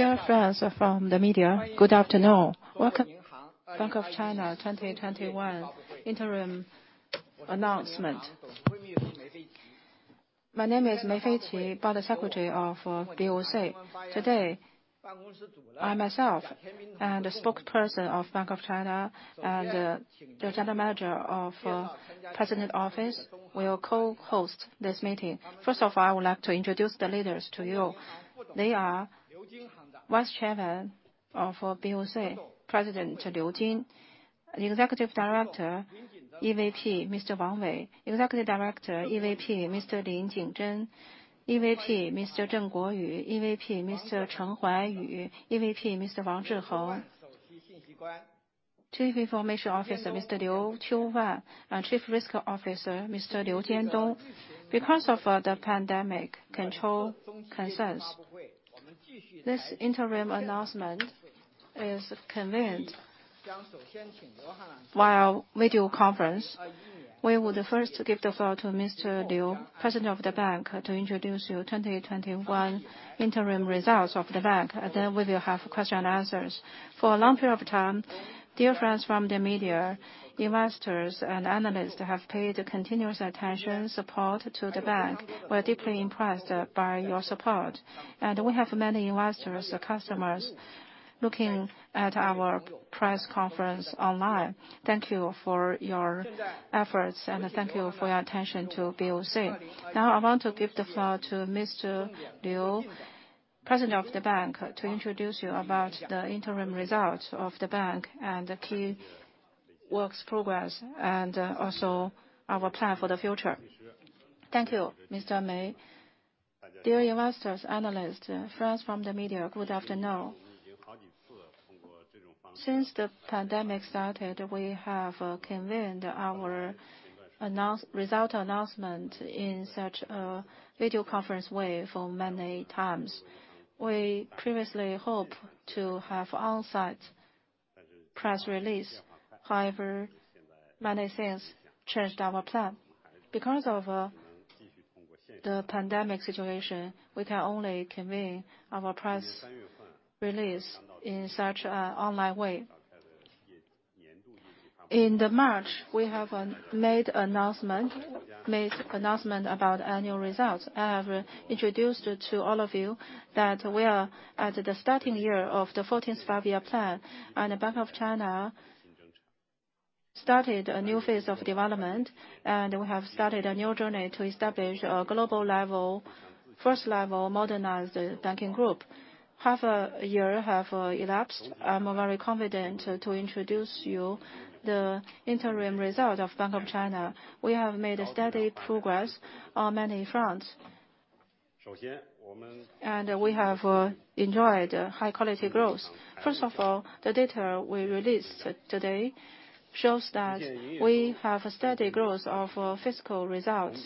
Dear friends from the media, good afternoon. Welcome. Bank of China 2021 Interim Announcement. My name is Mei Feiqi, Party Secretary of BoC. Today, I myself and the spokesperson of Bank of China and the General Manager of President Office will co-host this meeting. First of all, I would like to introduce the leaders to you. They are Vice Chairman of BoC, President Liu Jin, Executive Director, EVP, Mr. Wang Wei, Executive Director, EVP, Mr. Lin Jingzhen, EVP, Mr. Zheng Guoyu, EVP, Mr. Chen Huaiyu, EVP, Mr. Wang Zhiheng, Chief Information Officer, Mr. Liu Qiuwan, and Chief Risk Officer, Mr. Liu Jiandong. Because of the pandemic control concerns, this interim announcement is convened via video conference. We will first give the floor to Mr. Liu, President of the bank, to introduce you 2021 Interim Results of the bank. Then we will have question and answers. For a long period of time, dear friends from the media, investors and analysts have paid continuous attention, support to the bank. We are deeply impressed by your support, and we have many investors or customers looking at our press conference online. Thank you for your efforts, and thank you for your attention to BOC. Now, I want to give the floor to Mr. Liu, President of the bank, to introduce you about the interim results of the bank and the key works progress and also our plan for the future. Thank you, Mr. Mei. Dear investors, analysts, friends from the media, good afternoon. Since the pandemic started, we have convened our result announcement in such a video conference way for many times. We previously hoped to have on-site press release. However, many things changed our plan. Because of the pandemic situation, we can only convene our press release in such an online way. In March, we have made announcement about annual results. I have introduced to all of you that we are at the starting year of the 14th Five-Year Plan, Bank of China started a new phase of development, We have started a new journey to establish a global level, first-level modernized banking group. Half a year have elapsed. I'm very confident to introduce you the interim result of Bank of China. We have made a steady progress on many fronts. We have enjoyed high-quality growth. First of all, the data we released today shows that we have a steady growth of fiscal results.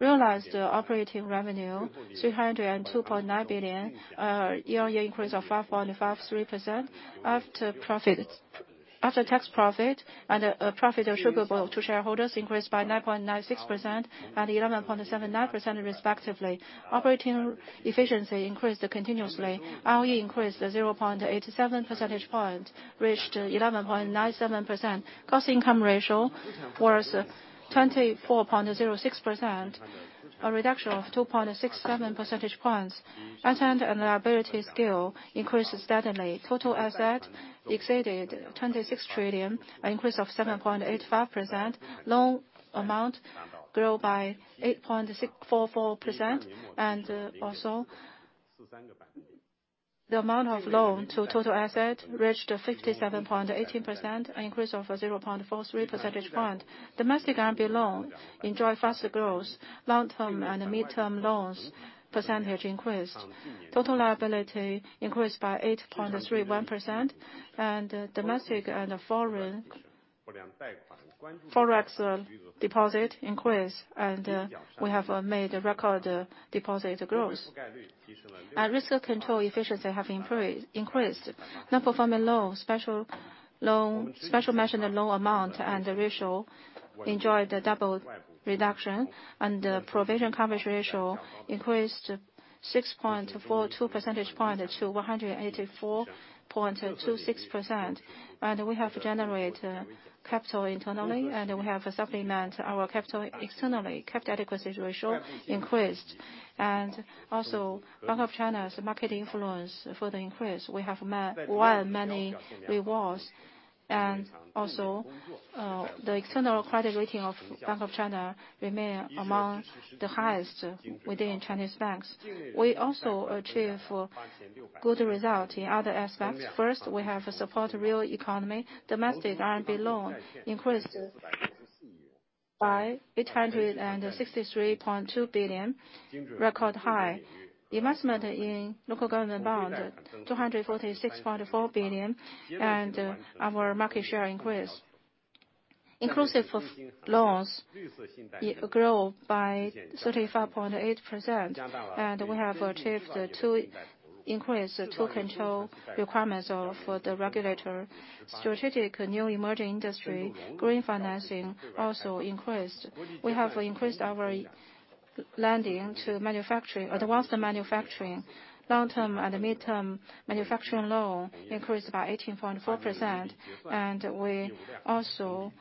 Realized operating revenue, 302.9 billion, a year-on-year increase of 5.53%. After-tax profit and profit attributable to shareholders increased by 9.96% and 11.79% respectively. Operating efficiency increased continuously. ROE increased 0.87 percentage point, reached 11.97%. Cost-income ratio was 24.06%, a reduction of 2.67 percentage points. Asset and liability scale increased steadily. Total asset exceeded 26 trillion, an increase of 7.85%. Loan amount grew by 8.644%, and also, the amount of loan to total asset reached 57.80%, an increase of 0.43 percentage point. Domestic RMB loan enjoyed faster growth, long-term and mid-term loans percentage increased. Total liability increased by 8.31%, and domestic and foreign Forex deposit increased, and we have made record deposit growth. Risk control efficiency have increased. Non-performing loan, special mention loan amount and ratio enjoyed a double reduction, and the provision coverage ratio increased 6.42 percentage point to 184.26%. We have generated capital internally, and we have supplement our capital externally. Capital adequacy ratio increased. Bank of China's market influence further increased. We have won many rewards. The external credit rating of Bank of China remain among the highest within Chinese banks. We also achieve good result in other aspects. We have support real economy. Domestic RMB loan increased by 863.2 billion, record high. Investment in local government bond, 246.4 billion, and our market share increased. Inclusive of loans grow by 35.8%, and we have achieved to increase, control requirements of the regulator. Strategic new emerging industry, green financing also increased. We have increased our lending to manufacturing, advanced manufacturing, long-term and mid-term manufacturing loan increased by 18.4%, and we also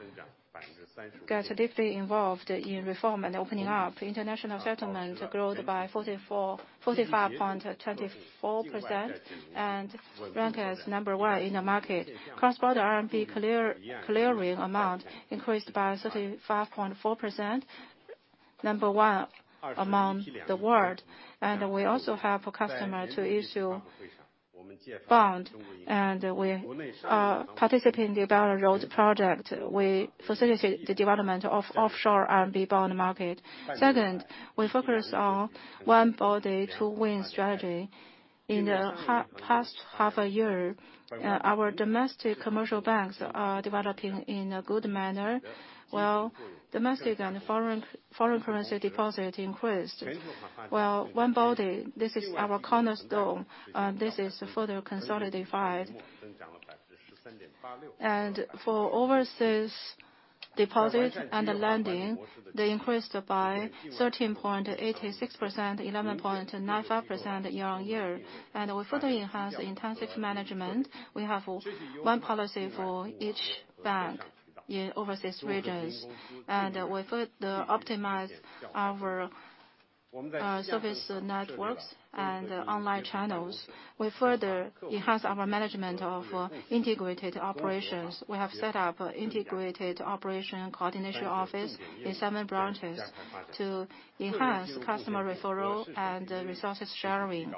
get deeply involved in reform and opening up. International settlement growth by 45.34%, and ranked as number one in the market. Cross-border RMB clearing amount increased by 35.4%, number one among the world. We also help customer to issue bond, and we participate in the Belt and Road project. We facilitate the development of offshore RMB bond market. We focus on One Body, Two Wings strategy. In the past half a year, our domestic commercial banks are developing in a good manner, while domestic and foreign currency deposit increased. One Body, this is our cornerstone, this is further consolidated. For overseas deposit and lending, they increased by 13.86%, 11.95% year-on-year. We further enhance intensive management. We have one policy for each bank in overseas regions. We further optimize our service networks and online channels. We further enhance our management of integrated operations. We have set up integrated operation coordination office in certain branches to enhance customer referral and resources sharing.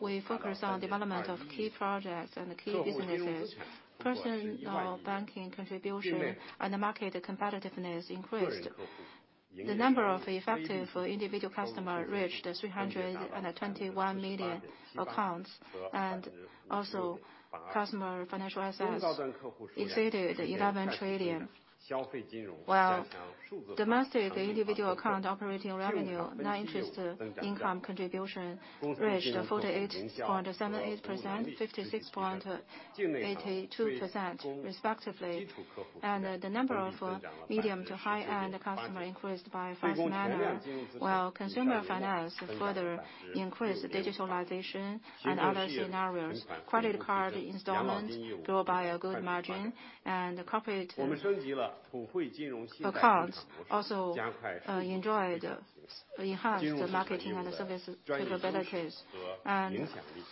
We focus on development of key projects and key businesses. Personal banking contribution and the market competitiveness increased. The number of effective individual customers reached 321 million accounts, also customer financial assets exceeded 11 trillion. Domestic individual account operating revenue, non-interest income contribution reached 48.78%, 56.82% respectively, the number of medium to high-end customers increased by fast manner, while consumer finance further increased digitalization and other scenarios. Credit card installment grew by a good margin, corporate accounts also enjoyed enhanced marketing and services capabilities.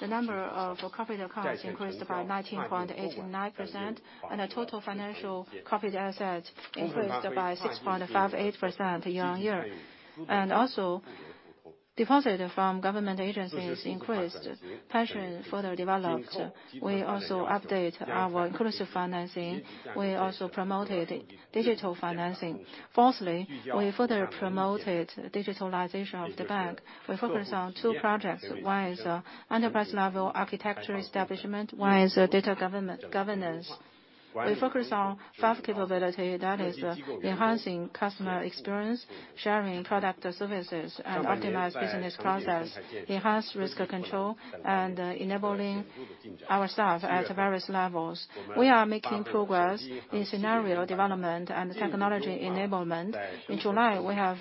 The number of corporate accounts increased by 19.89%, the total financial corporate assets increased by 6.58% year-on-year. Also, deposit from government agencies increased, pension further developed. We also update our inclusive finance. We also promoted digital financing. Fourthly, we further promoted digitalization of the bank. We focus on two projects. One is enterprise-level architecture establishment, one is data governance. We focus on five capabilities. That is enhancing customer experience, sharing product and services, and optimize business process, enhance risk control, and enabling our staff at various levels. We are making progress in scenario development and technology enablement. In July, we have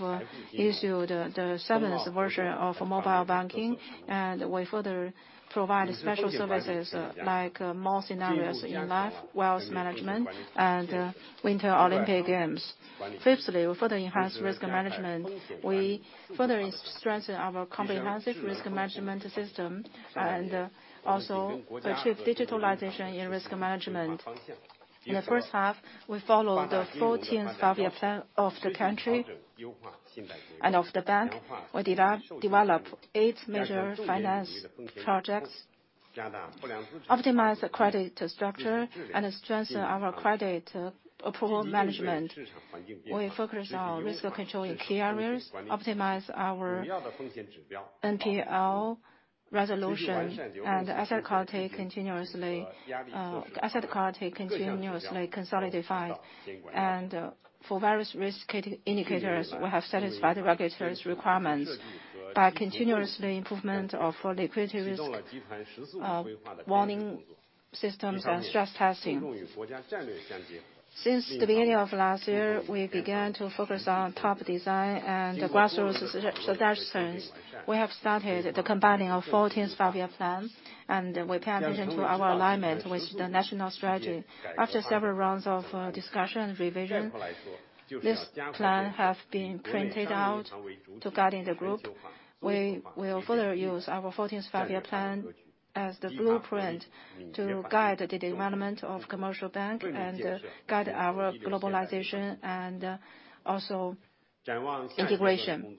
issued the 7th version of mobile banking, and we further provide special services like more scenarios in life, wealth management and Winter Olympics. Fifthly, we further enhance risk management. We further strengthen our comprehensive risk management system and also achieve digitalization in risk management. In the first half, we followed the 14th Five-Year Plan of the country and of the bank. We developed eight major finance projects, optimized credit structure and strengthened our credit approval management. We focus on risk control in key areas, optimize our NPL resolution and asset quality continuously consolidated. For various risk indicators, we have satisfied the regulators' requirements by continuously improvement of our liquidity risk warning systems and stress testing. Since the beginning of last year, we began to focus on top design and grassroots draft plans. We have started the combining of 14th Five-Year Plan. We pay attention to our alignment with the national strategy. After several rounds of discussion and revision, this plan have been printed out to guiding the group. We will further use our 14th Five-Year Plan as the blueprint to guide the development of commercial bank and guide our globalization and also integration.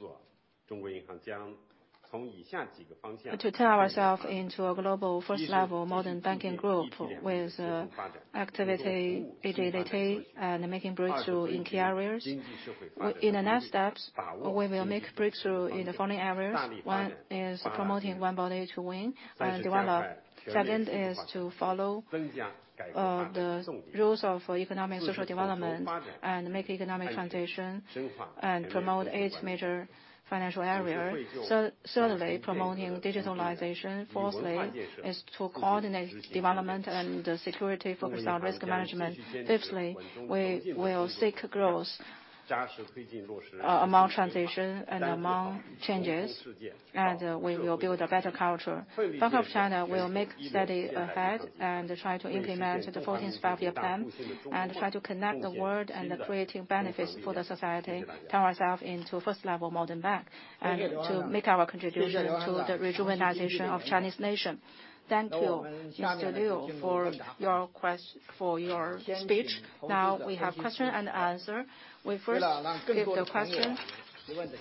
To turn ourself into a global first-level modern banking group with activity, agility, and making breakthrough in key areas. In the next steps, we will make breakthrough in the following areas. One is promoting One Body, Two Wings and develop. Second is to follow the rules of economic social development and make economic transition and promote eight major financial area. Thirdly, promoting digitalization. Fourthly is to coordinate development and security, focus on risk management. Fifthly, we will seek growth among transition and among changes, and we will build a better culture. Bank of China will make steady ahead and try to implement the 14th Five-Year Plan, and try to connect the world and creating benefits for the society, turn ourselves into first-level modern bank, and to make our contribution to the rejuvenation of Chinese nation. Thank you, Mr. Liu, for your speech. Now we have question and answer. We first give the question.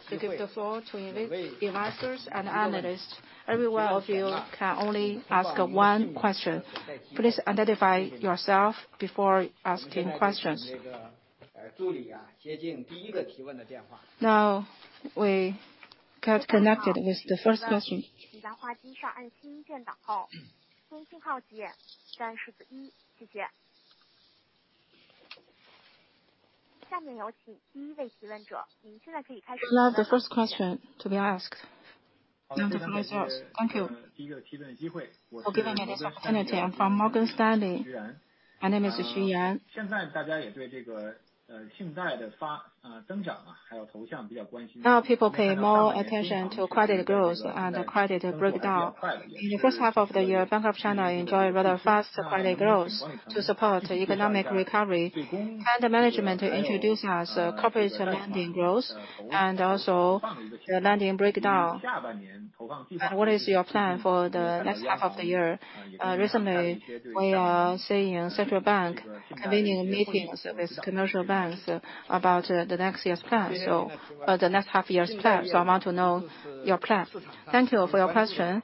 We give the floor to investors and analysts. Every one of you can only ask one question. Please identify yourself before asking questions. Now we get connected with the first question. Now the first question to be asked. Thank you. The floor is yours. Thank you. For giving me this opportunity. I am from Morgan Stanley. My name is Xu Yan. People pay more attention to credit growth and credit breakdown. In the first half of the year, Bank of China enjoyed rather fast credit growth to support economic recovery. Can the management introduce us corporate lending growth, and also the lending breakdown? What is your plan for the next half of the year? Recently, we are seeing central bank convening meetings with commercial banks about the next year's plan. The next half year's plan. I want to know your plan. Thank you for your question.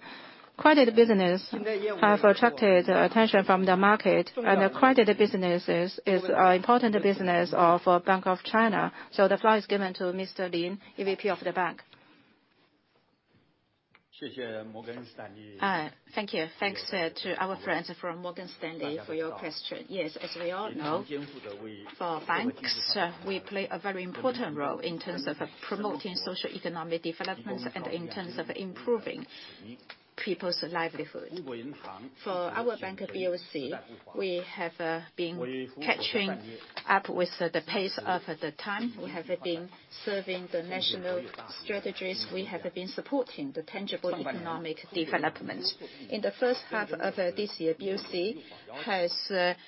Credit business has attracted attention from the market, and the credit business is an important business of Bank of China. The floor is given to Mr. Lin Jingzhen, EVP of the bank. Thank you. Thanks to our friends from Morgan Stanley for your question. Yes, as we all know, for banks, we play a very important role in terms of promoting social economic developments and in terms of improving people's livelihood. For our bank at BOC, we have been catching up with the pace of the time. We have been serving the national strategies. We have been supporting the tangible economic development. In the first half of this year, BOC has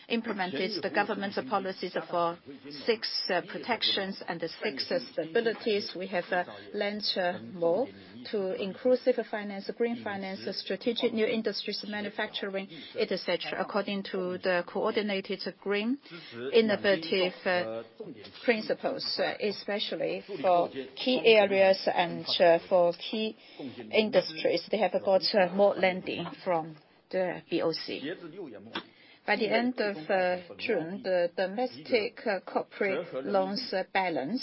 implemented the government policies for six protections and the six stabilities. We have lent more to inclusive finance, green finance, strategic new industries manufacturing, et cetera, according to the coordinated green innovative principles, especially for key areas and for key industries, they have got more lending from the BOC. By the end of June, the domestic corporate loans balance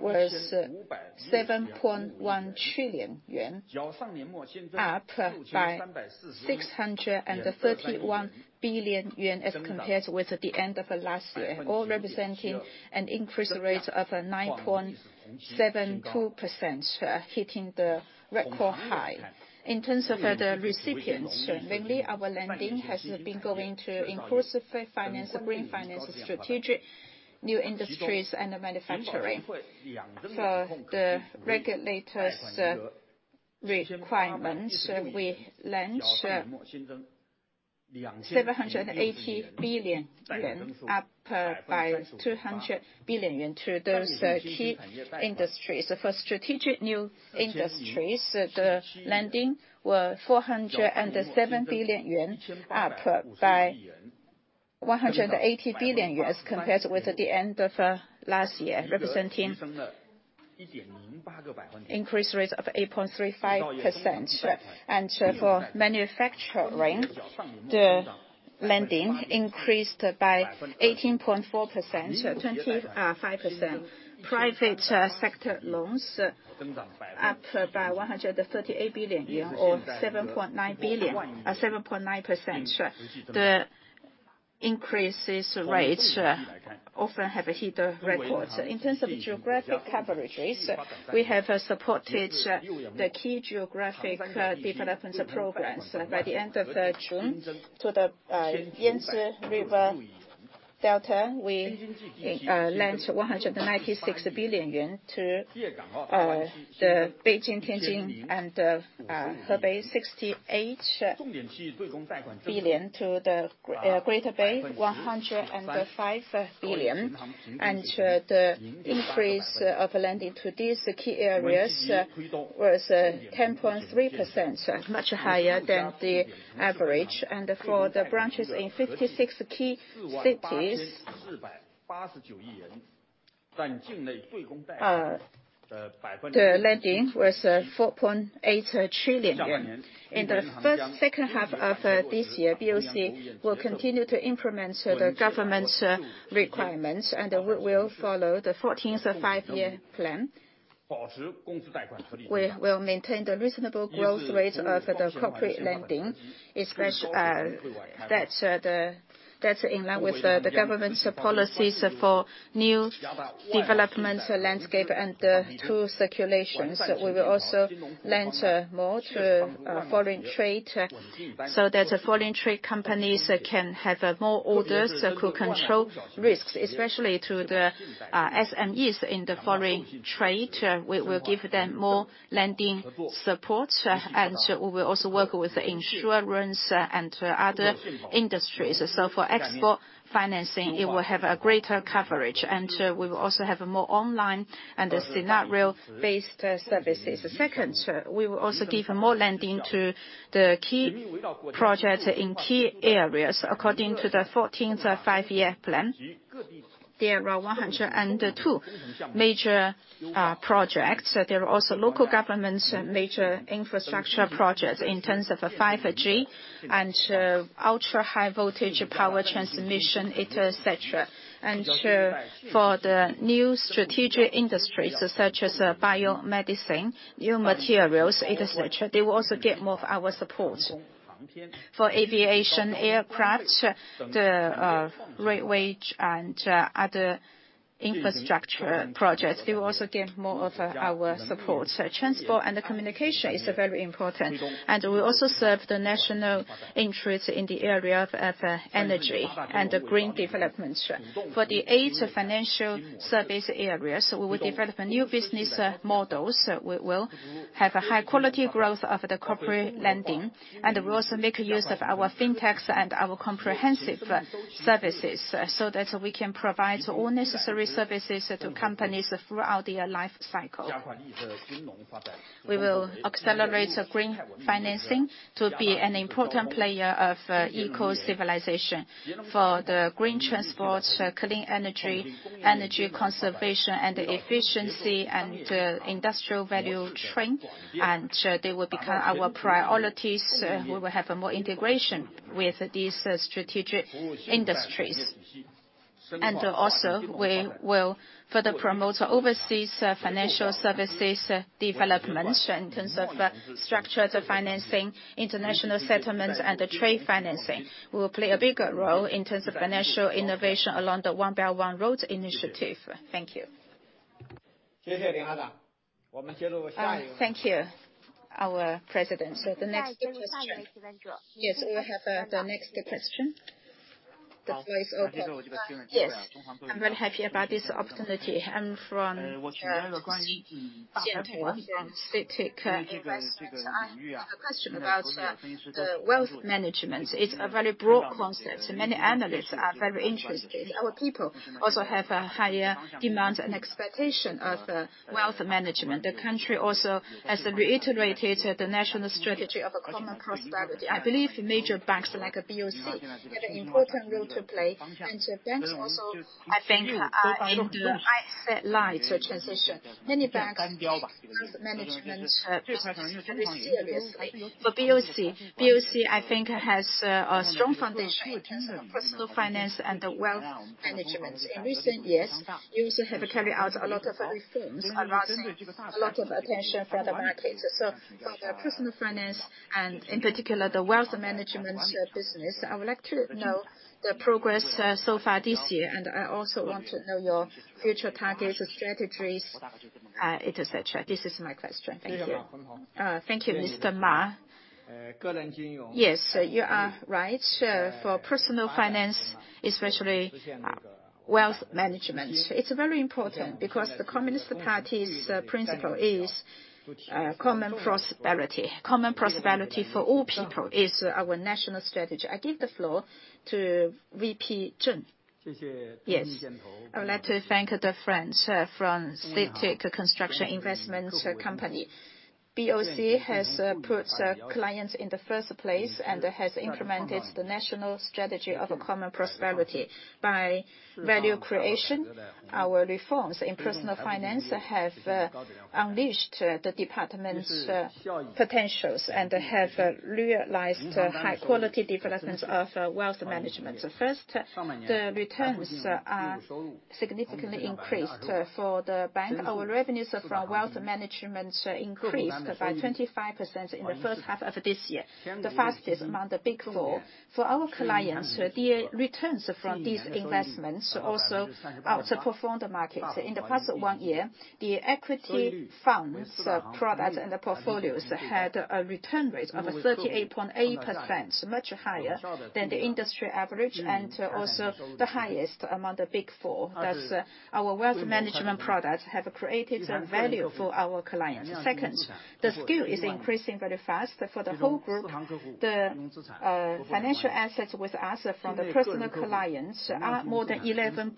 was 7.1 trillion yuan, up by 631 billion yuan as compared with the end of last year. All representing an increase rate of 9.72%, hitting the record high. In terms of the recipients, lately, our lending has been going to inclusive finance, green finance, strategic new industries, and manufacturing. For the regulators' requirements, we lent 780 billion yuan, up by 200 billion yuan to those key industries. For strategic new industries, the lending were 407 billion yuan, up by 180 billion yuan as compared with the end of last year, representing increase rate of 8.35%. For manufacturing, the lending increased by 18.4%-25%. Private sector loans up by 138 billion or 7.9%. The increases rate often have hit the record. In terms of geographic coverages, we have supported the key geographic developments programs. By the end of June to the Yangtze River Delta, we lent 196 billion yuan to the Beijing-Tianjin and Hebei, 68 billion to the Greater Bay, 105 billion. The increase of lending to these key areas was 10.3%, much higher than the average. For the branches in 56 key cities, the lending was 4.8 trillion. In the second half of this year, BOC will continue to implement the government's requirements, and we will follow the 14th Five-Year Plan. We will maintain the reasonable growth rate of the corporate lending. That's in line with the government's policies for new development landscape and the two circulations. We will also lend more to foreign trade, so that foreign trade companies can have more orders that could control risks, especially to the SMEs in the foreign trade. We will give them more lending support, and we will also work with insurance and other industries. For export financing, it will have a greater coverage. We will also have more online and scenario-based services. Second, we will also give more lending to the key projects in key areas. According to the 14th Five-Year Plan, there are 102 major projects. There are also local governments major infrastructure projects in terms of 5G and ultra-high voltage power transmission, et cetera. For the new strategic industries such as biomedicine, new materials, et cetera, they will also get more of our support. For aviation aircraft, the railway and other infrastructure projects, they will also get more of our support. Transport and communication is very important, and we also serve the national interest in the area of energy and green developments. For the eight financial service areas, we will develop new business models. We will have a high quality growth of the corporate lending. We will also make use of our fintechs and our comprehensive services so that we can provide all necessary services to companies throughout their life cycle. We will accelerate green finance to be an important player of eco-civilization. For the green transport, clean energy conservation and efficiency, and industrial value chain, and they will become our priorities. We will have more integration with these strategic industries. Also, we will further promote overseas financial services developments in terms of structured financing, international settlements, and trade financing. We will play a bigger role in terms of financial innovation along the Belt and Road Initiative. Thank you. Thank you, our president. The next question. Yes, we have the next question. The floor is open. Yes. I'm very happy about this opportunity. I'm from Xiantao Strategic Investment. I have a question about the wealth management. It's a very broad concept, so many analysts are very interested. Our people also have a higher demand and expectation of wealth management. The country also has reiterated the national strategy of a common prosperity. I believe major banks like BOC have an important role to play, and banks also, I think, are in the right light to transition. Many banks take management personally, very seriously. For BOC I think has a strong foundation in terms of personal finance and wealth management. In recent years, you also have carried out a lot of reforms, a lot of attention from the markets. For personal finance and in particular the wealth management business, I would like to know the progress so far this year. I also want to know your future targets, strategies, et cetera. This is my question. Thank you. Thank you, Mr. Ma. Yes, you are right. For personal finance, especially wealth management, it is very important because the Communist Party's principle is common prosperity. Common prosperity for all people is our national strategy. I give the floor to VP Zheng. Yes. I would like to thank the friend from Strategic Construction Investment Company. BOC has put clients in the first place and has implemented the national strategy of common prosperity by value creation. Our reforms in personal finance have unleashed the department's potentials and have realized high quality developments of wealth management. First, the returns are significantly increased. For the bank, our revenues from wealth management increased by 25% in the first half of this year, the fastest among the Big Four. For our clients, the returns from these investments also outperformed the market. In the past 1 year, the equity funds, products, and the portfolios had a return rate of 38.8%, much higher than the industry average, and also the highest among the Big Four. Thus, our wealth management products have created value for our clients. Second, the scale is increasing very fast. For the whole group, the financial assets with us from the personal clients are more than 11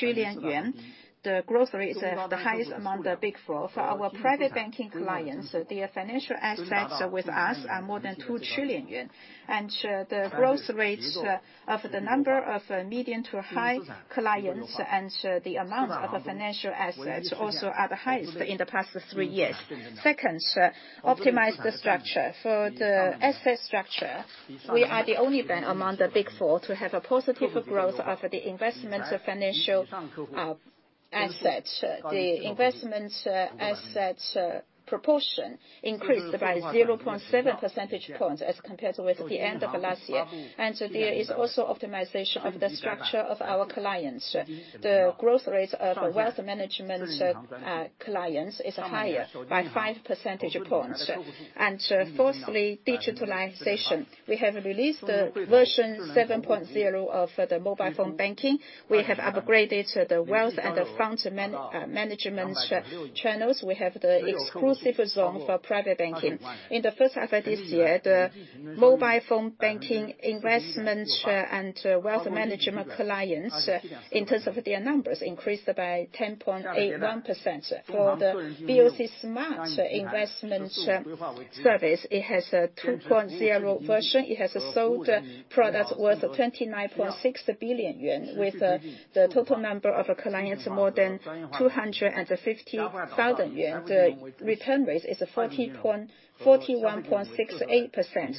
trillion yuan. The growth rate is the highest among the Big Four. For our private banking clients, their financial assets with us are more than 2 trillion yuan. The growth rate of the number of medium to high clients and the amount of financial assets also are the highest in the past three years. Second, optimize the structure. For the asset structure, we are the only bank among the Big Four to have a positive growth of the investment financial asset. The investment asset proportion increased by 0.7 percentage points as compared with the end of last year. There is also optimization of the structure of our clients. The growth rate of wealth management clients is higher by 5 percentage points. Thirdly, digitalization. We have released Bank of China Mobile Banking version 7.0. We have upgraded the wealth and the fund management channels. We have the exclusive zone for private banking. In the first half of this year, the Bank of China Mobile Banking App investment and wealth management clients in terms of their numbers, increased by 10.81%. For the Bank of China Smart Investment service, it has a 2.0 version. It has sold products worth 29.6 billion yuan with the total number of clients more than 250,000 yuan. The return rate is 41.68%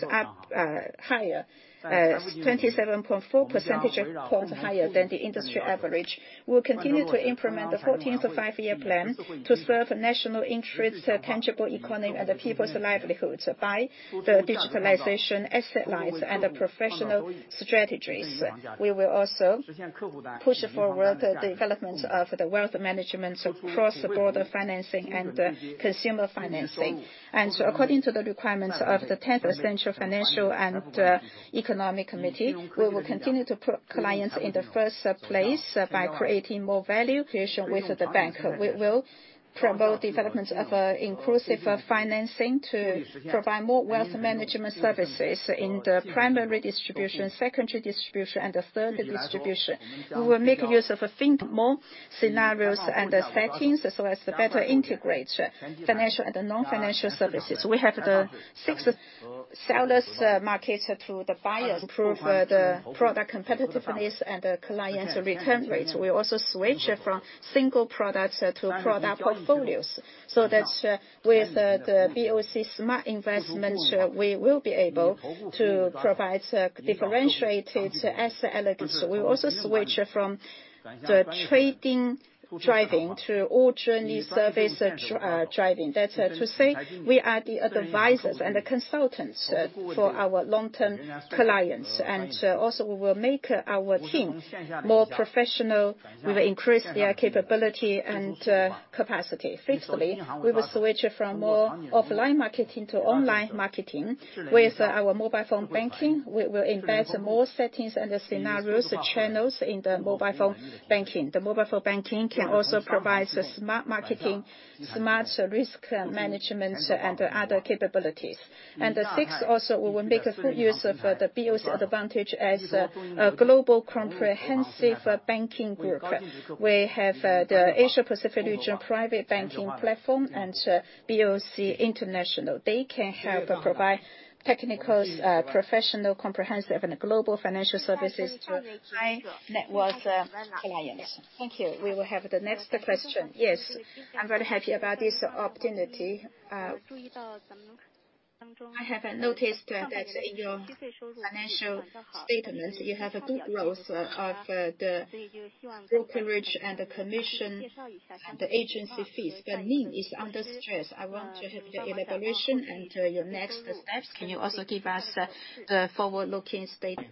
higher, 27.4 percentage points higher than the industry average. We will continue to implement the 14th Five-Year Plan to serve national interest, tangible economy, and the people's livelihoods by the digitalization asset lights and the professional strategies. We will also push forward the development of the wealth management cross-border financing and consumer financing. According to the requirements of the 10th Meeting of the Central Committee for Financial and Economic Committee, we will continue to put clients in the first place by creating more value creation with the Bank. We will promote development of inclusive financing to provide more wealth management services in the primary distribution, secondary distribution, and the third distribution. We will make use of think more scenarios and settings, as well as the better integrate financial and non-financial services. We have the six sellers markets through the buyers, improve the product competitiveness and the client return rates. We also switch from single products to product portfolios so that with the BOC Smart Investment, we will be able to provide differentiated asset allocation. We will also switch from the trading driving to all journey service driving. That's to say, we are the advisors and the consultants for our long-term clients. Also we will make our team more professional. We will increase their capability and capacity. Fifthly, we will switch from more offline marketing to online marketing. With our mobile phone banking, we will embed more settings and the scenarios, the channels in the mobile phone banking. The mobile phone banking can also provide smart marketing, smart risk management, and other capabilities. The sixth, also, we will make a full use of the BOC advantage as a global comprehensive banking group. We have the Asia Pacific region private banking platform and BOC International. They can help provide technical, professional, comprehensive, and global financial services to high-net-worth clients. Thank you. We will have the next question. Yes. I'm very happy about this opportunity. I have noticed that in your financial statements, you have a good growth of the brokerage and the commission, the agency fees. The NIM is under stress. I want to have the elaboration and your next steps. Can you also give us the forward-looking statement?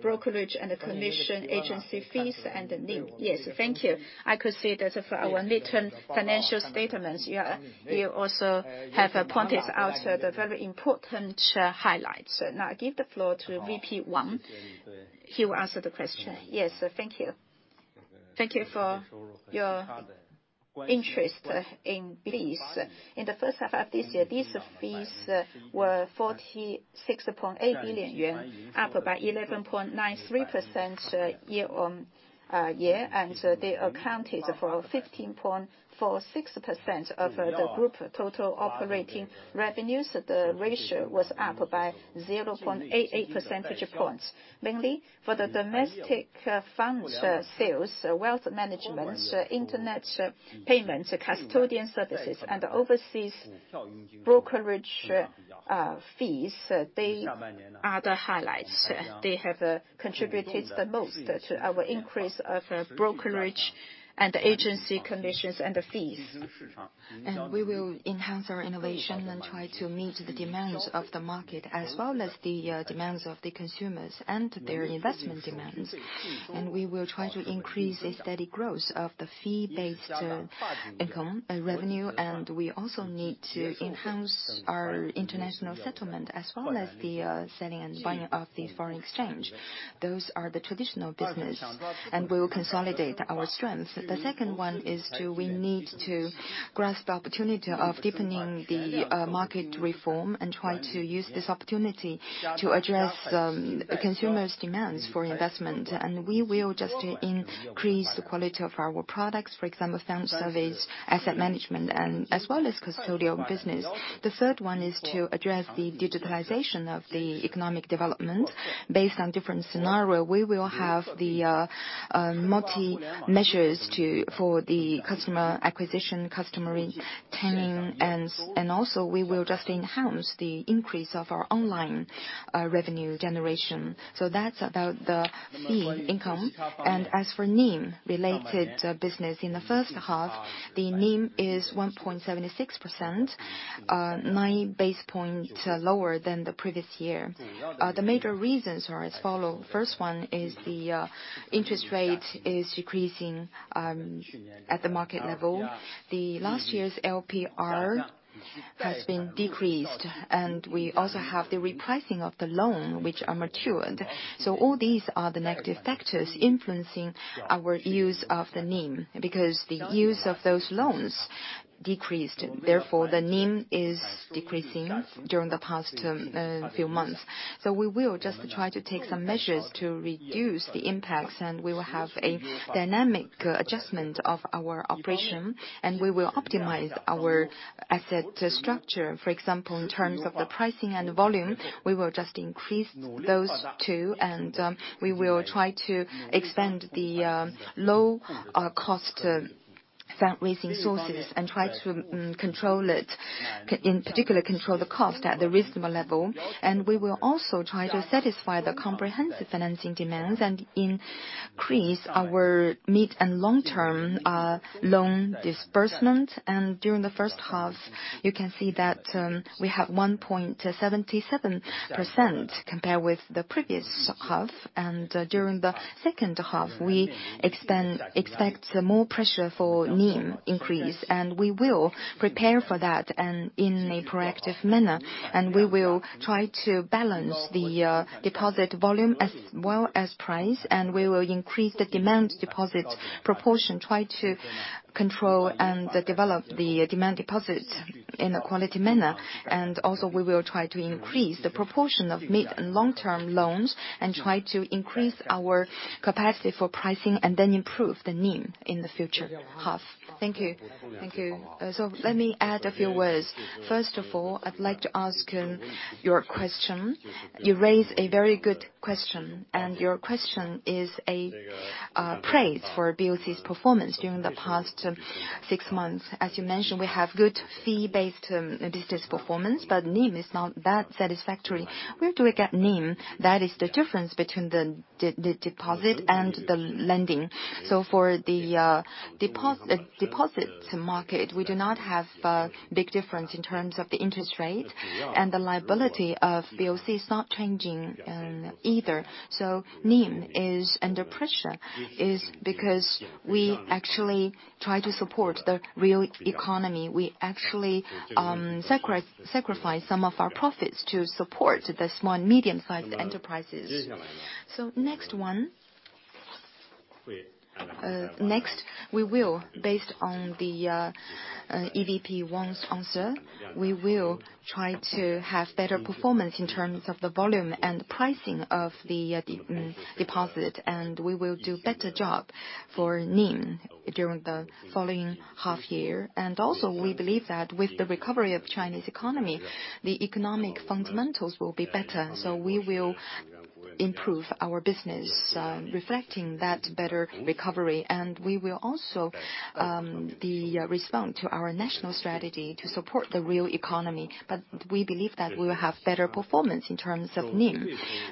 Brokerage and the commission agency fees and the NIM. Yes, thank you. I could see that for our midterm financial statements, you also have pointed out the very important highlights. Now I give the floor to VP Wang. He will answer the question. Yes, thank you. Thank you for your interest in these. In the first half of this year, these fees were 46.8 billion yuan, up by 11.93% year-over-year. They accounted for 15.46% of the group total operating revenues. The ratio was up by 0.88 percentage points. Mainly for the domestic fund sales, wealth management, Internet payment, custodian services, and overseas brokerage fees. They are the highlights. They have contributed the most to our increase of brokerage and agency commissions and fees. We will enhance our innovation and try to meet the demands of the market as well as the demands of the consumers and their investment demands. We will try to increase a steady growth of the fee-based income revenue, and we also need to enhance our international settlement as well as the selling and buying of the foreign exchange. Those are the traditional business, and we will consolidate our strengths. The second one is we need to grasp the opportunity of deepening the market reform and try to use this opportunity to address consumers' demands for investment. We will just increase the quality of our products, for example, fund service, asset management, and as well as custodial business. The third one is to address the digitalization of the economic development. Based on different scenario, we will have the multi measures for the customer acquisition, customer retaining. Also, we will just enhance the increase of our online revenue generation. That's about the fee income. As for NIM related business, in the first half, the NIM is 1.76%, nine basis points lower than the previous year. The major reasons are as follow. First one is the interest rate is decreasing at the market level. The last year's LPR has been decreased. We also have the repricing of the loan, which are matured. All these are the negative factors influencing our use of the NIM, because the use of those loans decreased, therefore, the NIM is decreasing during the past few months. We will just try to take some measures to reduce the impacts. We will have a dynamic adjustment of our operation. We will optimize our asset structure. For example, in terms of the pricing and volume, we will just increase those two. We will try to expand the low-cost. Fundraising sources try to control it. In particular, control the cost at the reasonable level. We will also try to satisfy the comprehensive financing demands and increase our mid- and long-term loan disbursement. During the first half, you can see that we have 1.77% compared with the previous half. During the second half, we expect more pressure for NIM increase, and we will prepare for that in a proactive manner. We will try to balance the deposit volume as well as price, and we will increase the demand deposits proportion, try to control and develop the demand deposits in a quality manner. Also, we will try to increase the proportion of mid- and long-term loans and try to increase our capacity for pricing, and then improve the NIM in the future half. Thank you. Thank you. Let me add a few words. First of all, I'd like to ask your question. You raised a very good question, and your question is a praise for BOC's performance during the past six months. As you mentioned, we have good fee-based business performance, but NIM is not that satisfactory. Where do we get NIM? That is the difference between the deposit and the lending. For the deposits market, we do not have a big difference in terms of the interest rate and the liability of BOC is not changing either. NIM is under pressure, is because we actually try to support the real economy. We actually sacrifice some of our profits to support the small and medium-sized enterprises. Next one. Based on the EVP Wang's answer, we will try to have better performance in terms of the volume and pricing of the deposit, and we will do better job for NIM during the following half year. Also, we believe that with the recovery of Chinese economy, the economic fundamentals will be better. We will improve our business, reflecting that better recovery. We will also respond to our national strategy to support the real economy. We believe that we will have better performance in terms of NIM.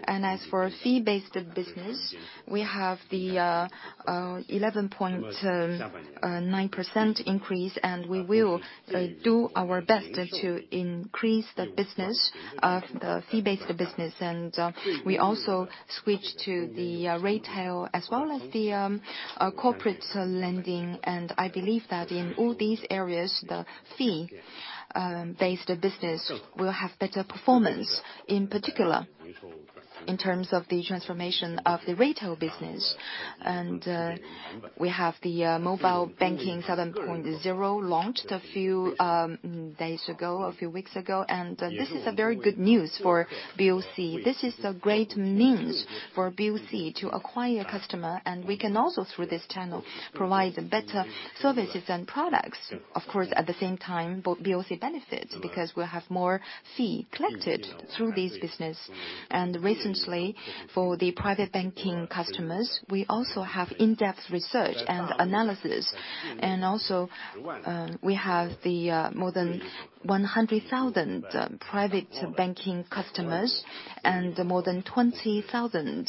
As for fee-based business, we have the 11.9% increase, and we will do our best to increase the fee-based business. We also switch to the retail as well as the corporate lending, and I believe that in all these areas, the fee-based business will have better performance, in particular in terms of the transformation of the retail business. We have the Mobile Banking 7.0 launched a few days ago, a few weeks ago. This is a very good news for BOC. This is a great means for BOC to acquire customer. We can also, through this channel, provide better services and products. Of course, at the same time, both BOC benefits, because we'll have more fee collected through this business. Recently, for the private banking customers, we also have in-depth research and analysis. Also, we have the more than 100,000 private banking customers and more than 20,000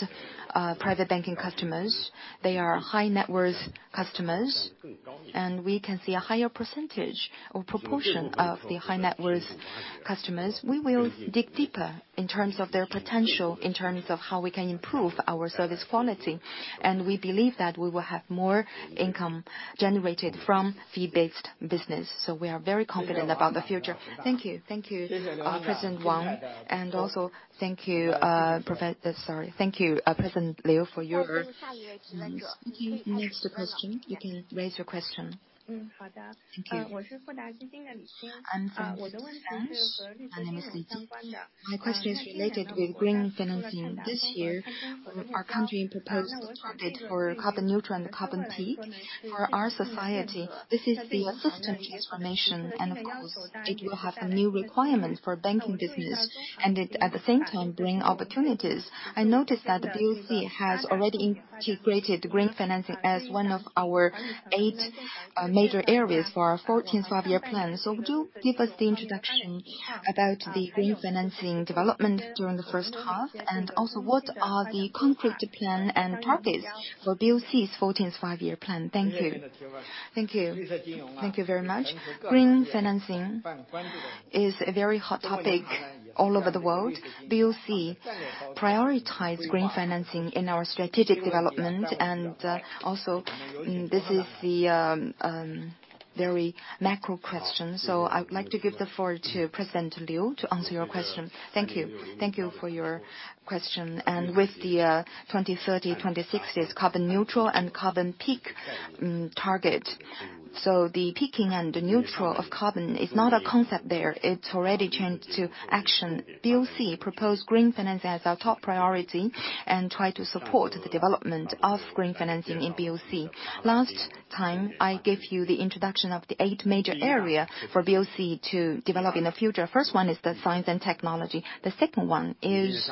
private banking customers. They are high net worth customers. We can see a higher percentage or proportion of the high net worth customers. We will dig deeper in terms of their potential, in terms of how we can improve our service quality. We believe that we will have more income generated from fee-based business. We are very confident about the future. Thank you. Thank you, President Wang, and also thank you, President Liu, for your Next question. You can raise your question. Thank you. Thank you. I'm from Bloomberg News. My name is Li Jing. My question is related with green financing. This year, our country proposed target for carbon neutral and carbon peak. For our society, this is the system transformation. Of course, it will have a new requirement for banking business and it, at the same time, bring opportunities. I noticed that BOC has already integrated green financing as one of our eight major areas for our 14th Five-Year Plan. Would you give us the introduction about the green financing development during the first half, and also what are the concrete plan and targets for BOC's 14th Five-Year Plan? Thank you. Thank you. Thank you very much. Green financing is a very hot topic all over the world. BOC prioritize green financing in our strategic development, and also this is the very macro question. I would like to give the floor to President Liu to answer your question. Thank you. Thank you for your question. With the 2030, 2060's carbon neutral and carbon peak target. The peaking and the neutral of carbon is not a concept there. It already turned to action. BOC proposed green finance as our top priority and try to support the development of green financing in BOC. Last time, I gave you the introduction of the eight major area for BOC to develop in the future. First one is the science and technology. The second one is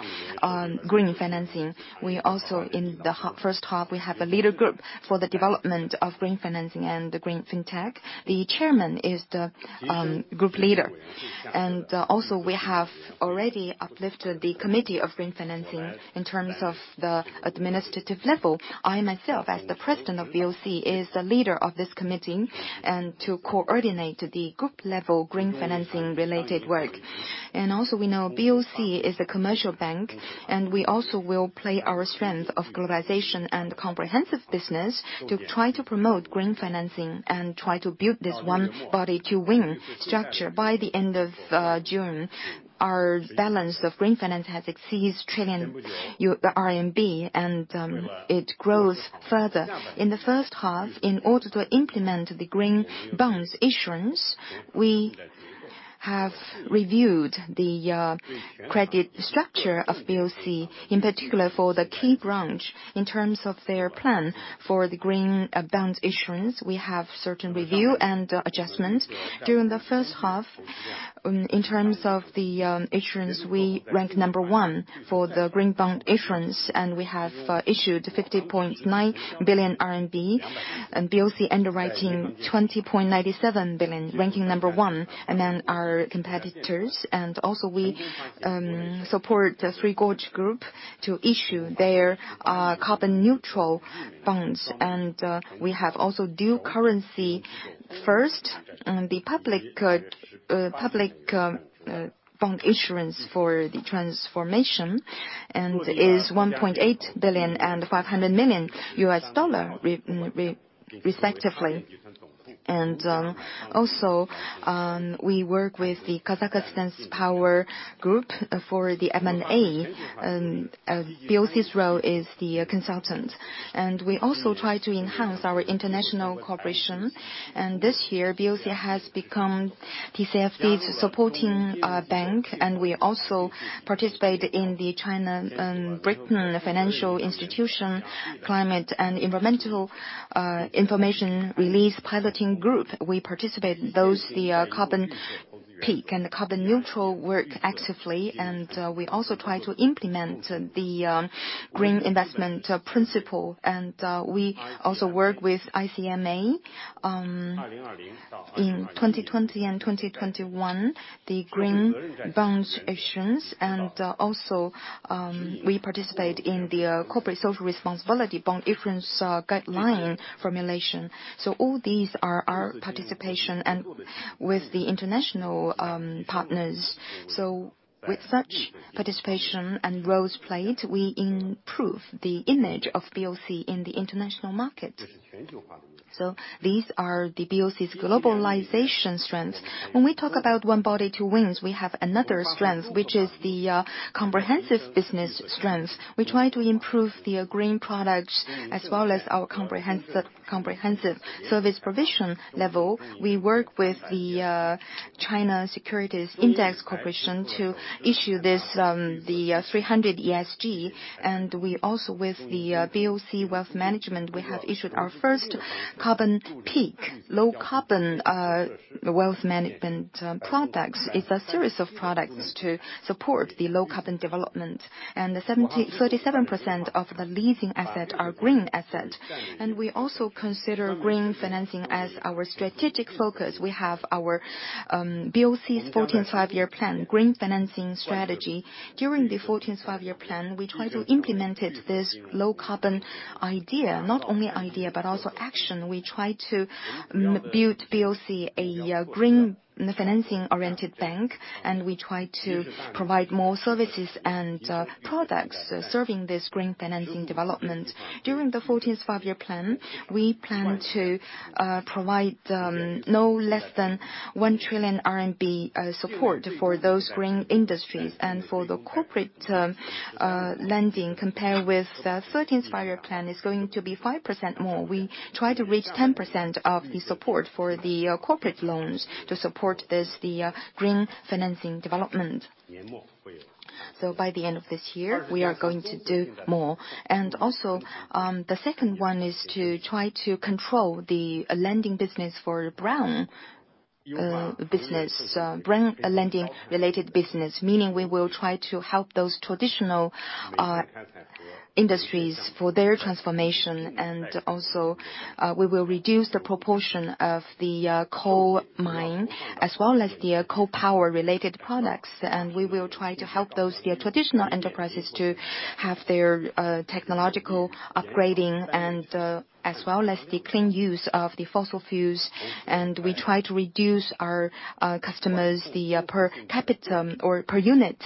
green financing. We also in the first half, we have a leader group for the development of green financing and the green fintech. The Chairman is the group leader. We have already uplifted the committee of green financing in terms of the administrative level. I, myself, as the President of BOC, is the leader of this committee, and to coordinate the group level green financing related work. We know BOC is a commercial bank, and we also will play our strength of globalization and comprehensive business to try to promote green finance and try to build this One Body, Two Wings. By the end of June, our balance of green finance has exceeds 1 trillion RMB and it grows further. In the first half, in order to implement the green bonds issuance, we have reviewed the credit structure of BOC, in particular for the key grant in terms of their plan for the green bonds issuance. We have certain review and adjustments. During the first half, in terms of the issuance, we ranked number one for the green bond issuance, and we have issued 50.9 billion RMB and BOC underwriting 20.97 billion, ranking number one among our competitors. We support the Three Gorges Group to issue their carbon neutral bonds. We have also dual currency first in the public bond issuance for the transformation, and is 1.8 billion and $500 million, respectively. We work with the Kazakhstan Power Group for the M&A, and BOC's role is the consultant. We also try to enhance our international cooperation. This year, BOC has become TCFD's supporting bank, and we also participate in the China and [Britain] Financial Institution Climate and Environmental Information [List] Pivoting Group. We participate those, the carbon peak and the carbon neutral work actively. We also try to implement the Green Investment Principle. We also work with ICMA, in 2020 and 2021, the Green Bonds issuance and also, we participate in the corporate social responsibility bond issuance guideline formulation. All these are our participation and with the international partners. With such participation and roles played, we improve the image of BOC in the international market. These are the BOC's globalization strength. When we talk about One Body, Two Wings, we have another strength, which is the comprehensive business strength. We try to improve the green products as well as our comprehensive service provision level. We work with the China Securities Index Company to issue the 300 ESG. We also with the BOC Wealth Management, we have issued our first carbon peak, low carbon wealth management products. It's a series of products to support the low carbon development. 37% of the leasing asset are green asset. We also consider green financing as our strategic focus. We have our BOC's 14th Five-Year Plan, Green Financing Strategy. During the 14th Five-Year Plan, we try to implement this low carbon idea. Not only idea, but also action. We try to build BOC a green financing-oriented bank, we try to provide more services and products serving this green financing development. During the 14th Five-Year Plan, we plan to provide no less than 1 trillion RMB support for those green industries. For the corporate lending, compared with the 13th Five-Year Plan, it's going to be 5% more. We try to reach 10% of the support for the corporate loans to support the green financing development. By the end of this year, we are going to do more. Also, the second one is to try to control the lending business for brown lending-related business, meaning we will try to help those traditional industries for their transformation. Also, we will reduce the proportion of the coal mine as well as the coal power related products. We will try to help those traditional enterprises to have their technological upgrading as well as the clean use of the fossil fuels. We try to reduce our customers, the per capita or per unit,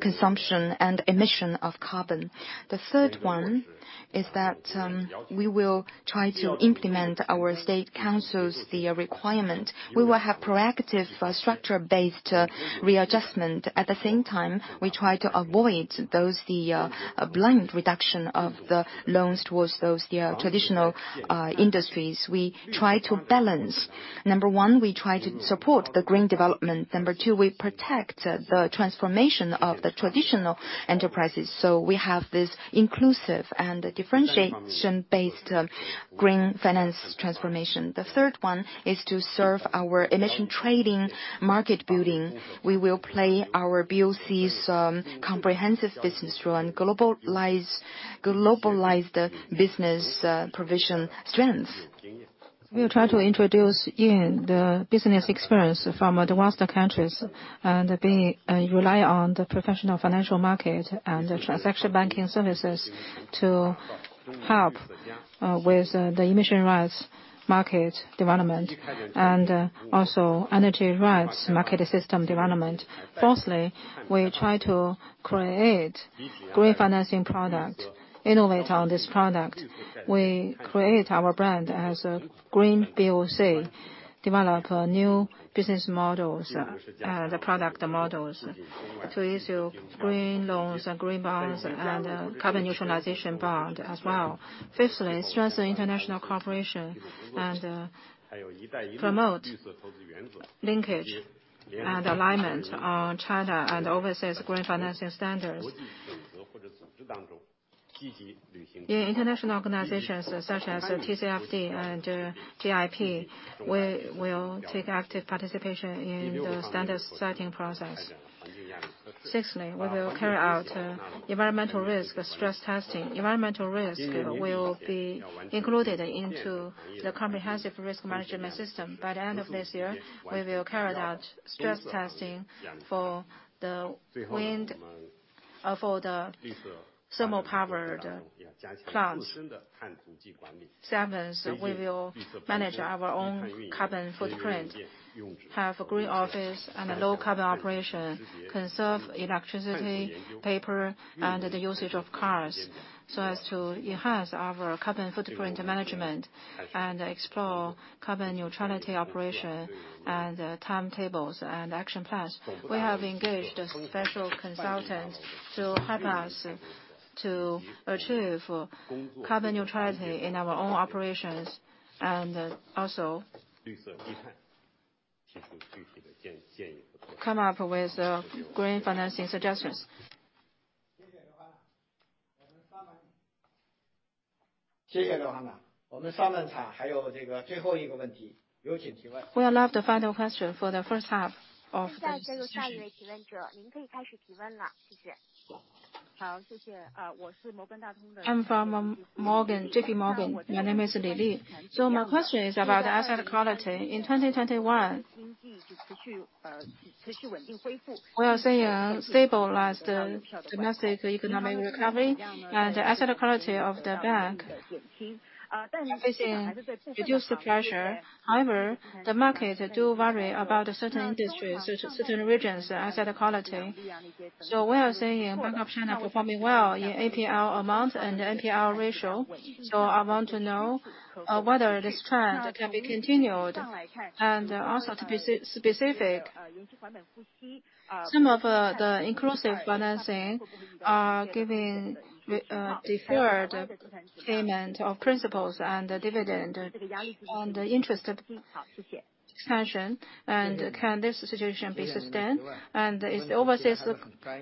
consumption and emission of carbon. The third one is that we will try to implement our State Council's requirement. We will have proactive structure-based readjustment. At the same time, we try to avoid those blind reduction of the loans towards those traditional industries. We try to balance. Number one, we try to support the green development. Number two, we protect the transformation of the traditional enterprises. We have this inclusive and differentiation-based green finance transformation. The third one is to serve our emission trading market building. We will play our BOC's comprehensive business role and globalize the business provision strength. We will try to introduce in the business experience from the Western countries, and rely on the professional financial market and the transaction banking services to help with the emission rights market development and also energy rights market system development. Fourthly, we try to create green financing product, innovate on this product. We create our brand as a green BOC, develop new business models, the product models to issue green loans and green bonds and carbon neutralization bond as well. Fifthly, strengthen international cooperation and promote linkage and alignment on China and overseas green financing standards. In international organizations such as TCFD and GIP, we will take active participation in the standard setting process. Sixthly, we will carry out environmental risk stress testing. Environmental risk will be included into the comprehensive risk management system. By the end of this year, we will carry out stress testing for the wind or for the thermal powered plants. Seventh, we will manage our own carbon footprint, have green office and a low carbon operation, conserve electricity, paper, and the usage of cars, so as to enhance our carbon footprint management and explore carbon neutrality operation and timetables and action plans. We have engaged a special consultant to help us to achieve carbon neutrality in our own operations and also come up with green financing suggestions. We allow the final question for the first half. I'm from JPMorgan. My name is Lily. My question is about asset quality. In 2021, we are seeing a stabilized domestic economic recovery and the asset quality of the bank is in reduced pressure. The market do worry about certain industries, certain regions, asset quality. We are seeing Bank of China performing well in NPL amount and NPL ratio. I want to know whether this trend can be continued and also to be specific, some of the inclusive finance are giving deferred payment of principals and dividend on the interest expansion. Can this situation be sustained? Is the overseas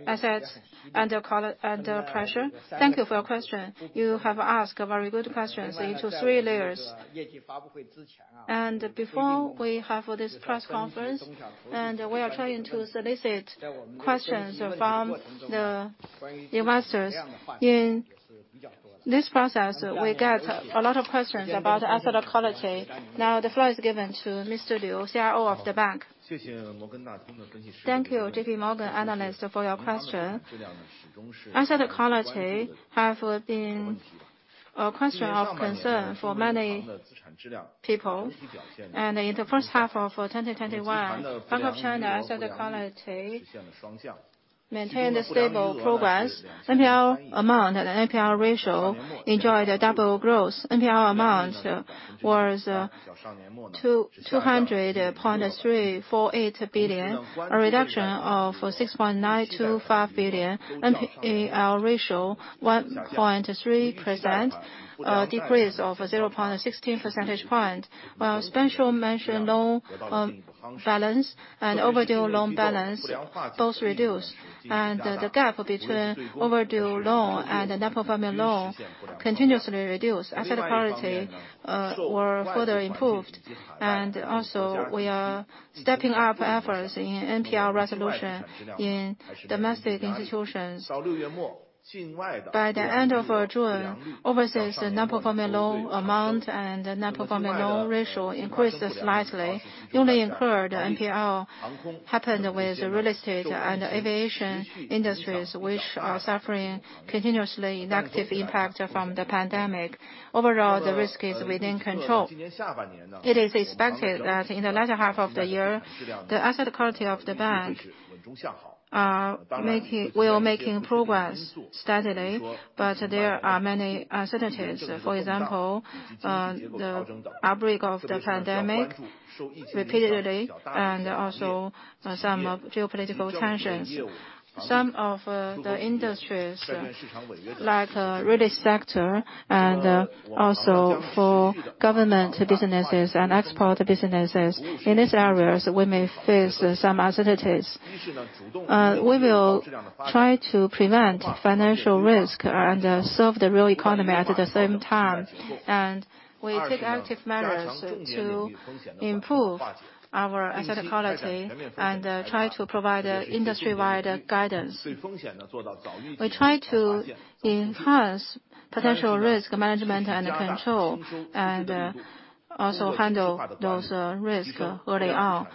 assets under pressure? Thank you for your question. You have asked very good questions into three layers. Before we have this press conference, and we are trying to solicit questions from the investors. In this process, we get a lot of questions about asset quality. The floor is given to Mr. Liu, CRO of the bank. Thank you, JPMorgan analyst for your question. Asset quality have been a question of concern for many people, and in the first half of 2021, Bank of China asset quality maintained a stable progress. NPL amount and NPL ratio enjoyed a double growth. NPL amount was to 200.348 billion, a reduction of 6.925 billion. NPL ratio, 1.3%, a decrease of 0.16 percentage point, while special mention loan balance and overdue loan balance both reduced. The gap between overdue loan and non-performing loan continuously reduced. Asset quality were further improved. Also, we are stepping up efforts in NPL resolution in domestic institutions. By the end of June, overseas non-performing loan amount and non-performing loan ratio increased slightly. Only incurred NPL happened with real estate and aviation industries, which are suffering continuously negative impact from the pandemic. Overall, the risk is within control. It is expected that in the latter half of the year, the asset quality of the bank will making progress steadily, but there are many uncertainties. For example, the outbreak of the pandemic repeatedly, and also some geopolitical tensions. Some of the industries like real estate sector and also for government businesses and export businesses. In these areas, we may face some uncertainties. We will try to prevent financial risk and serve the real economy at the same time. We take active measures to improve our asset quality and try to provide industry-wide guidance. We try to enhance potential risk management and control and also handle those risks early on.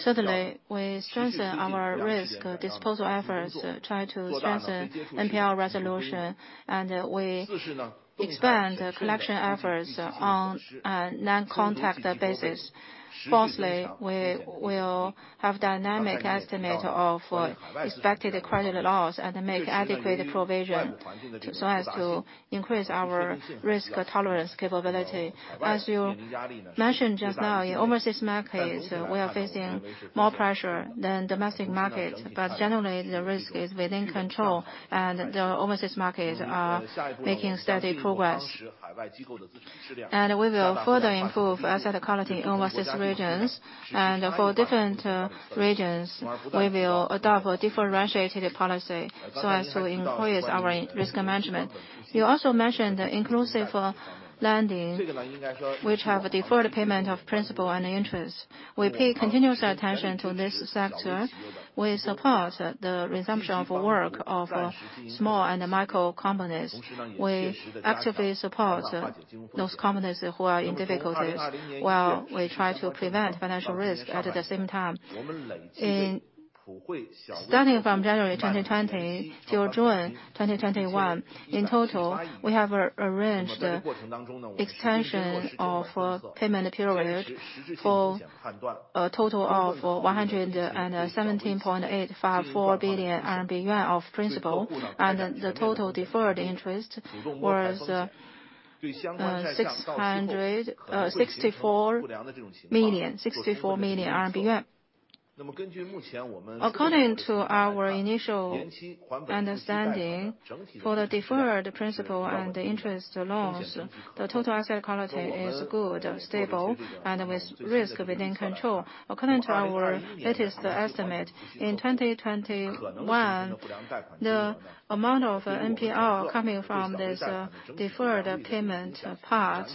Certainly, we strengthen our risk disposal efforts, try to strengthen NPL resolution, and we expand the collection efforts on a non-contact basis. Fourthly, we will have dynamic estimate of expected credit loss and make adequate provision so as to increase our risk tolerance capability. As you mentioned just now, in overseas markets, we are facing more pressure than domestic markets, but generally, the risk is within control and the overseas markets are making steady progress. We will further improve asset quality in overseas regions. For different regions, we will adopt a differentiated policy so as to improve our risk management. You also mentioned the inclusive lending, which have deferred payment of principal and interest. We pay continuous attention to this sector. We support the resumption of work of small and micro companies. We actively support those companies who are in difficulties while we try to prevent financial risk at the same time. Starting from January 2020 till June 2021, in total, we have arranged the extension of payment period for a total of 117.854 billion yuan of principal. The total deferred interest was RMB 664 million. According to our initial understanding for the deferred principal and the interest loss, the total asset quality is good, stable, and with risk within control. According to our latest estimate, in 2021, the amount of NPL coming from this deferred payment part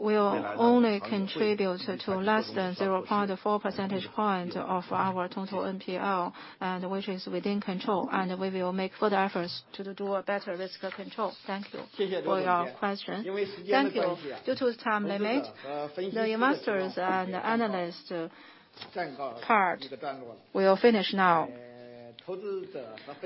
will only contribute to less than 0.4 percentage point of our total NPL, which is within control. We will make further efforts to do a better risk control. Thank you for your question. Thank you. Due to the time limit, the investors and analyst part will finish now.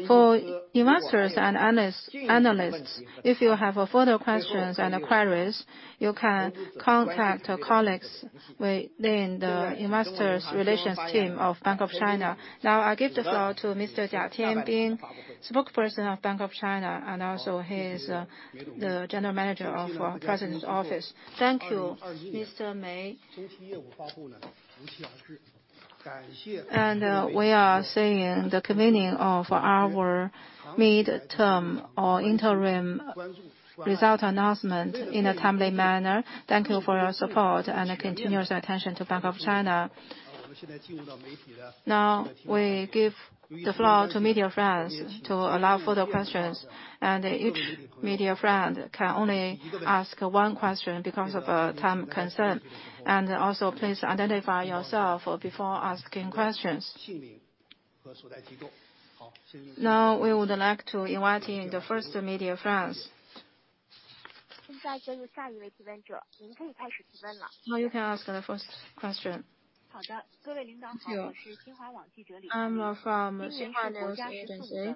For investors and analysts, if you have further questions and queries, you can contact our colleagues within the investors relations team of Bank of China. Now I give the floor to Mr. Jia Tianbing, spokesperson of Bank of China, and also he is the General Manager of President's Office. Thank you, Mr. Mei. We are seeing the convening of our mid-term or interim result announcement in a timely manner. Thank you for your support and continuous attention to Bank of China. Now, we give the floor to media friends to allow further questions. Each media friend can only ask one question because of a time concern. Also, please identify yourself before asking questions. Now, we would like to invite in the first media friends. You can ask the first question. Thank you. I'm from Xinhua News Agency.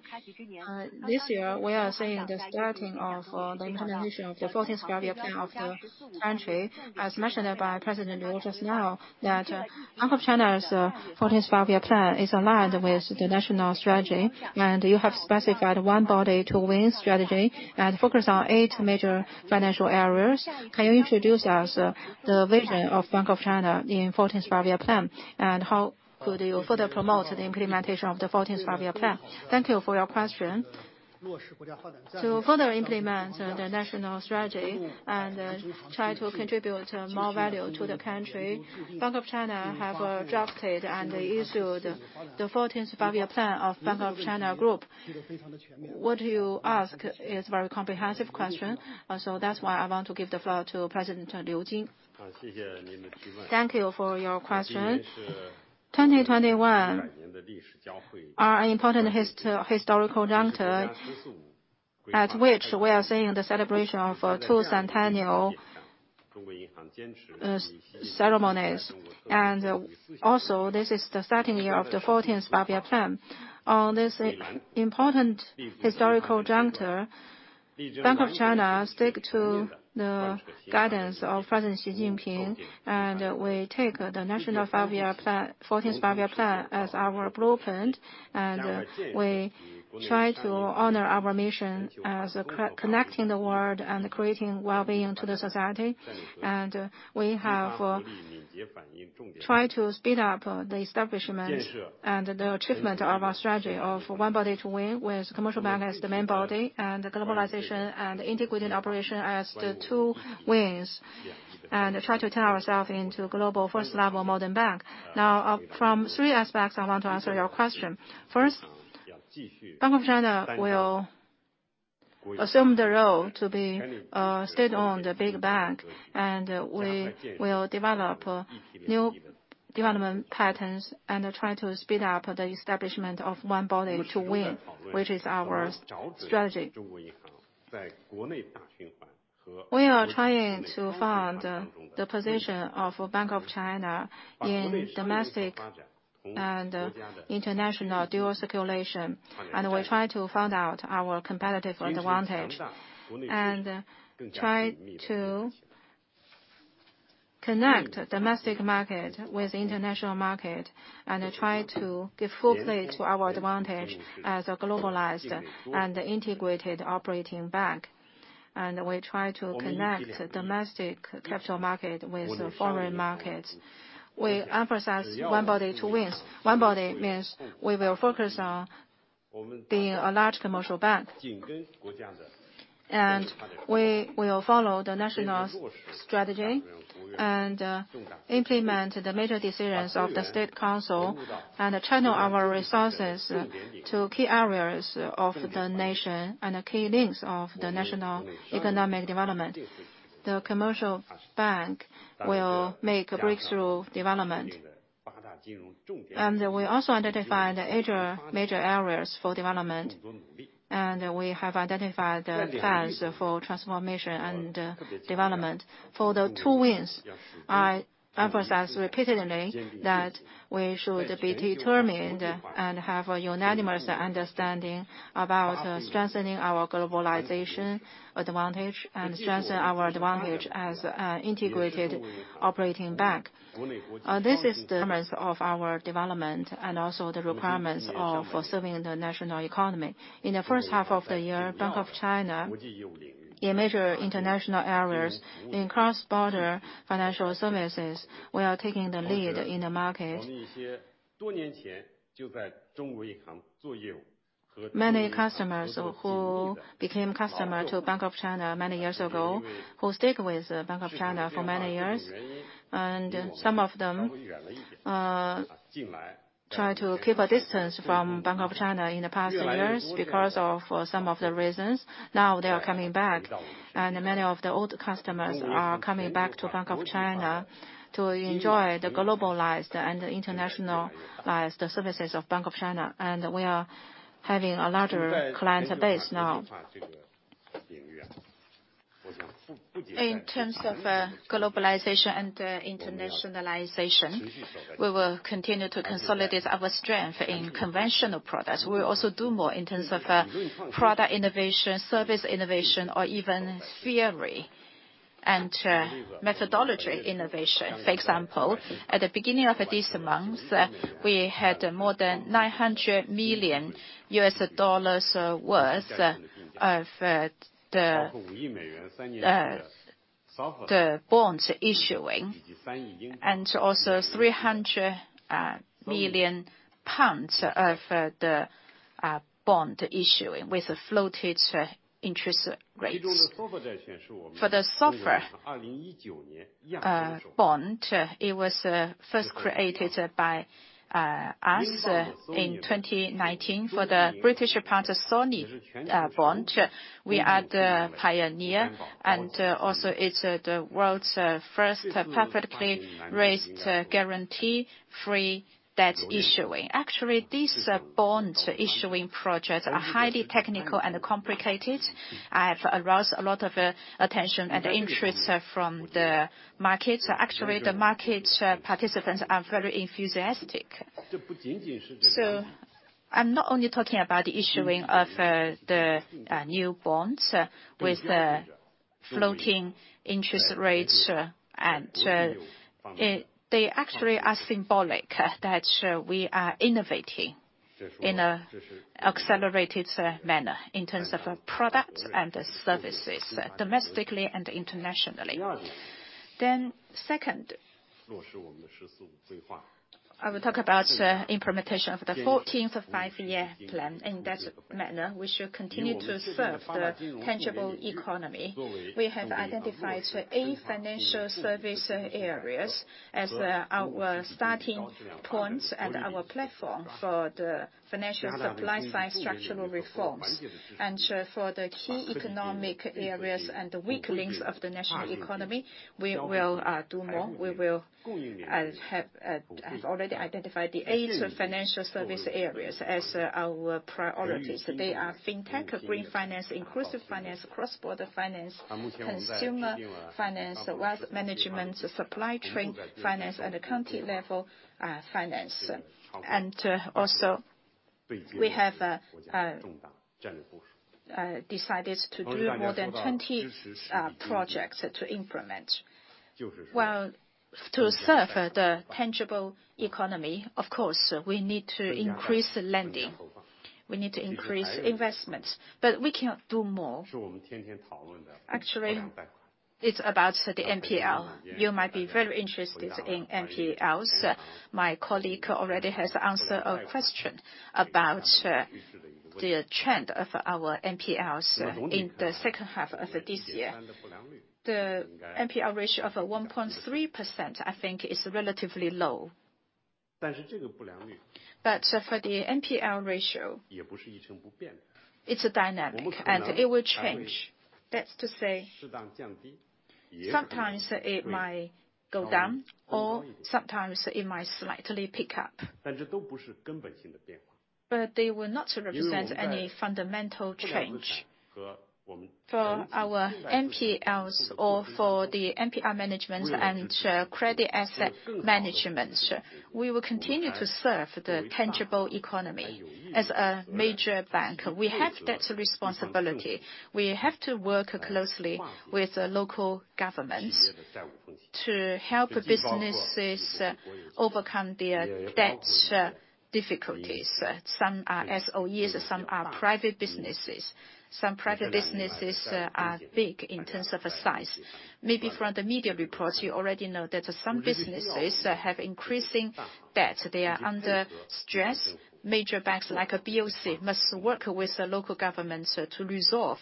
This year, we are seeing the starting of the implementation of the 14th Five-Year Plan of the country. As mentioned by President Liu just now, that Bank of China's 14th Five-Year Plan is aligned with the national strategy, and you have specified "One Body, Two Wings" strategy and focus on eight major financial areas. Can you introduce us the vision of Bank of China in 14th Five-Year Plan and how could you further promote the implementation of the 14th Five-Year Plan? Thank you for your question. To further implement the national strategy and try to contribute more value to the country, Bank of China have drafted and issued the 14th Five-Year Plan of Bank of China Group. What you ask is a very comprehensive question. That is why I want to give the floor to President Liu Jin. Thank you for your question. 2021 is our important historical juncture, at which we are seeing the celebration of two centennial ceremonies. Also, this is the starting year of the 14th Five-Year Plan. On this important historical juncture, Bank of China stick to the guidance of President Xi Jinping. We take the 14th Five-Year Plan as our blueprint. We try to honor our mission as connecting the world and creating wellbeing to the society. We have tried to speed up the establishment and the achievement of our strategy of "One Body, Two Wings," with commercial bank as the main body, and globalization and integrated operation as the two wings, and try to turn ourself into global first-level modern bank. From three aspects I want to answer your question. Bank of China will assume the role to be a state-owned big bank, and we will develop new development patterns and try to speed up the establishment of One Body, Two Wings, which is our strategy. We are trying to find the position of Bank of China in domestic and international dual circulation, and we try to find out our competitive advantage, and try to connect domestic market with international market. Try to give full play to our advantage as a globalized and integrated operating bank. We try to connect domestic capital market with foreign markets. We emphasize One Body, Two Wings. One Body means we will focus on being a large commercial bank. We will follow the national strategy and implement the major decisions of the State Council and channel our resources to key areas of the nation and the key links of the national economic development. The commercial bank will make breakthrough development. We also identified major areas for development. We have identified the plans for transformation and development for the Two Wings. I emphasize repeatedly that we should be determined and have a unanimous understanding about strengthening our globalization advantage and strengthen our advantage as an integrated operating bank. This is the promise of our development and also the requirements of serving the national economy. In the first half of the year, Bank of China, in major international areas, in cross-border financial services, we are taking the lead in the market. Many customers who became customer to Bank of China many years ago, who stick with Bank of China for many years, some of them try to keep a distance from Bank of China in the past years because of some of the reasons, now they are coming back. Many of the old customers are coming back to Bank of China to enjoy the globalized and internationalized services of Bank of China. We are having a larger client base now. In terms of globalization and internationalization, we will continue to consolidate our strength in conventional products. We will also do more in terms of product innovation, service innovation, or even theory and methodology innovation. For example, at the beginning of this month, we had more than $900 million worth of the bonds issuing. Also 300 million pounds of the bond issuing with floating interest rates. For the SOFR bond, it was first created by us in 2019 for the British pound SONIA bond. We are the pioneer also it's the world's first publicly raised guarantee-free debt issuing. Actually, these bonds issuing projects are highly technical and complicated, have aroused a lot of attention and interest from the markets. Actually, the market participants are very enthusiastic. I'm not only talking about the issuing of the new bonds with floating interest rates. They actually are symbolic that we are innovating in an accelerated manner in terms of product and services domestically and internationally. Second, I will talk about implementation of the 14th Five-Year Plan. In that manner, we should continue to serve the tangible economy. We have identified eight financial service areas as our starting points and our platform for the financial supply-side structural reforms. For the key economic areas and the weak links of the national economy, we will do more. We will have already identified the eight financial service areas as our priorities. They are fintech, green finance, inclusive finance, cross-border finance, consumer finance, wealth management, supply chain finance, and county-level finance. Also we have decided to do more than 20 projects to implement. Well, to serve the tangible economy, of course, we need to increase the lending. We need to increase investments. We can do more. Actually, it's about the NPL. You might be very interested in NPLs. My colleague already has answered a question about the trend of our NPLs in the second half of this year. The NPL ratio of 1.3%, I think, is relatively low. For the NPL ratio, it's a dynamic, and it will change. That's to say, sometimes it might go down, or sometimes it might slightly pick up. They will not represent any fundamental change. For our NPLs or for the NPL management and credit asset management, we will continue to serve the tangible economy. As a major bank, we have that responsibility. We have to work closely with local governments to help businesses overcome their debt difficulties. Some are SOEs, some are private businesses. Some private businesses are big in terms of size. Maybe from the media reports, you already know that some businesses have increasing debt. They are under stress. Major banks, like BOC, must work with the local governments to resolve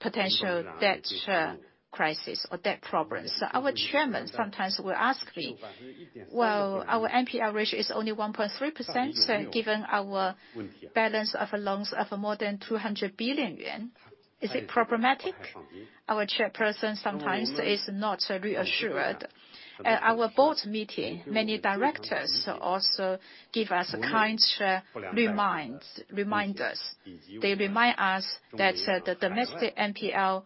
potential debt crisis or debt problems. Our chairman sometimes will ask me, "Well, our NPL ratio is only 1.3%, so given our balance of loans of more than 200 billion yuan, is it problematic?" Our chairperson sometimes is not reassured. At our board meeting, many directors also give us kind reminders. They remind us that the domestic NPL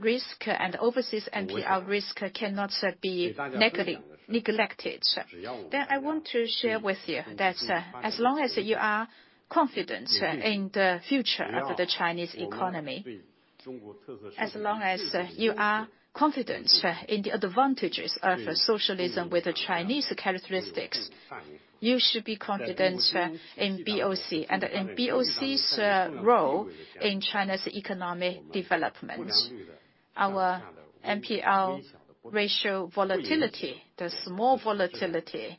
risk and overseas NPL risk cannot be neglected. I want to share with you that as long as you are confident in the future of the Chinese economy, as long as you are confident in the advantages of socialism with Chinese characteristics, you should be confident in BOC and in BOC's role in China's economic development. Our NPL ratio volatility, the small volatility,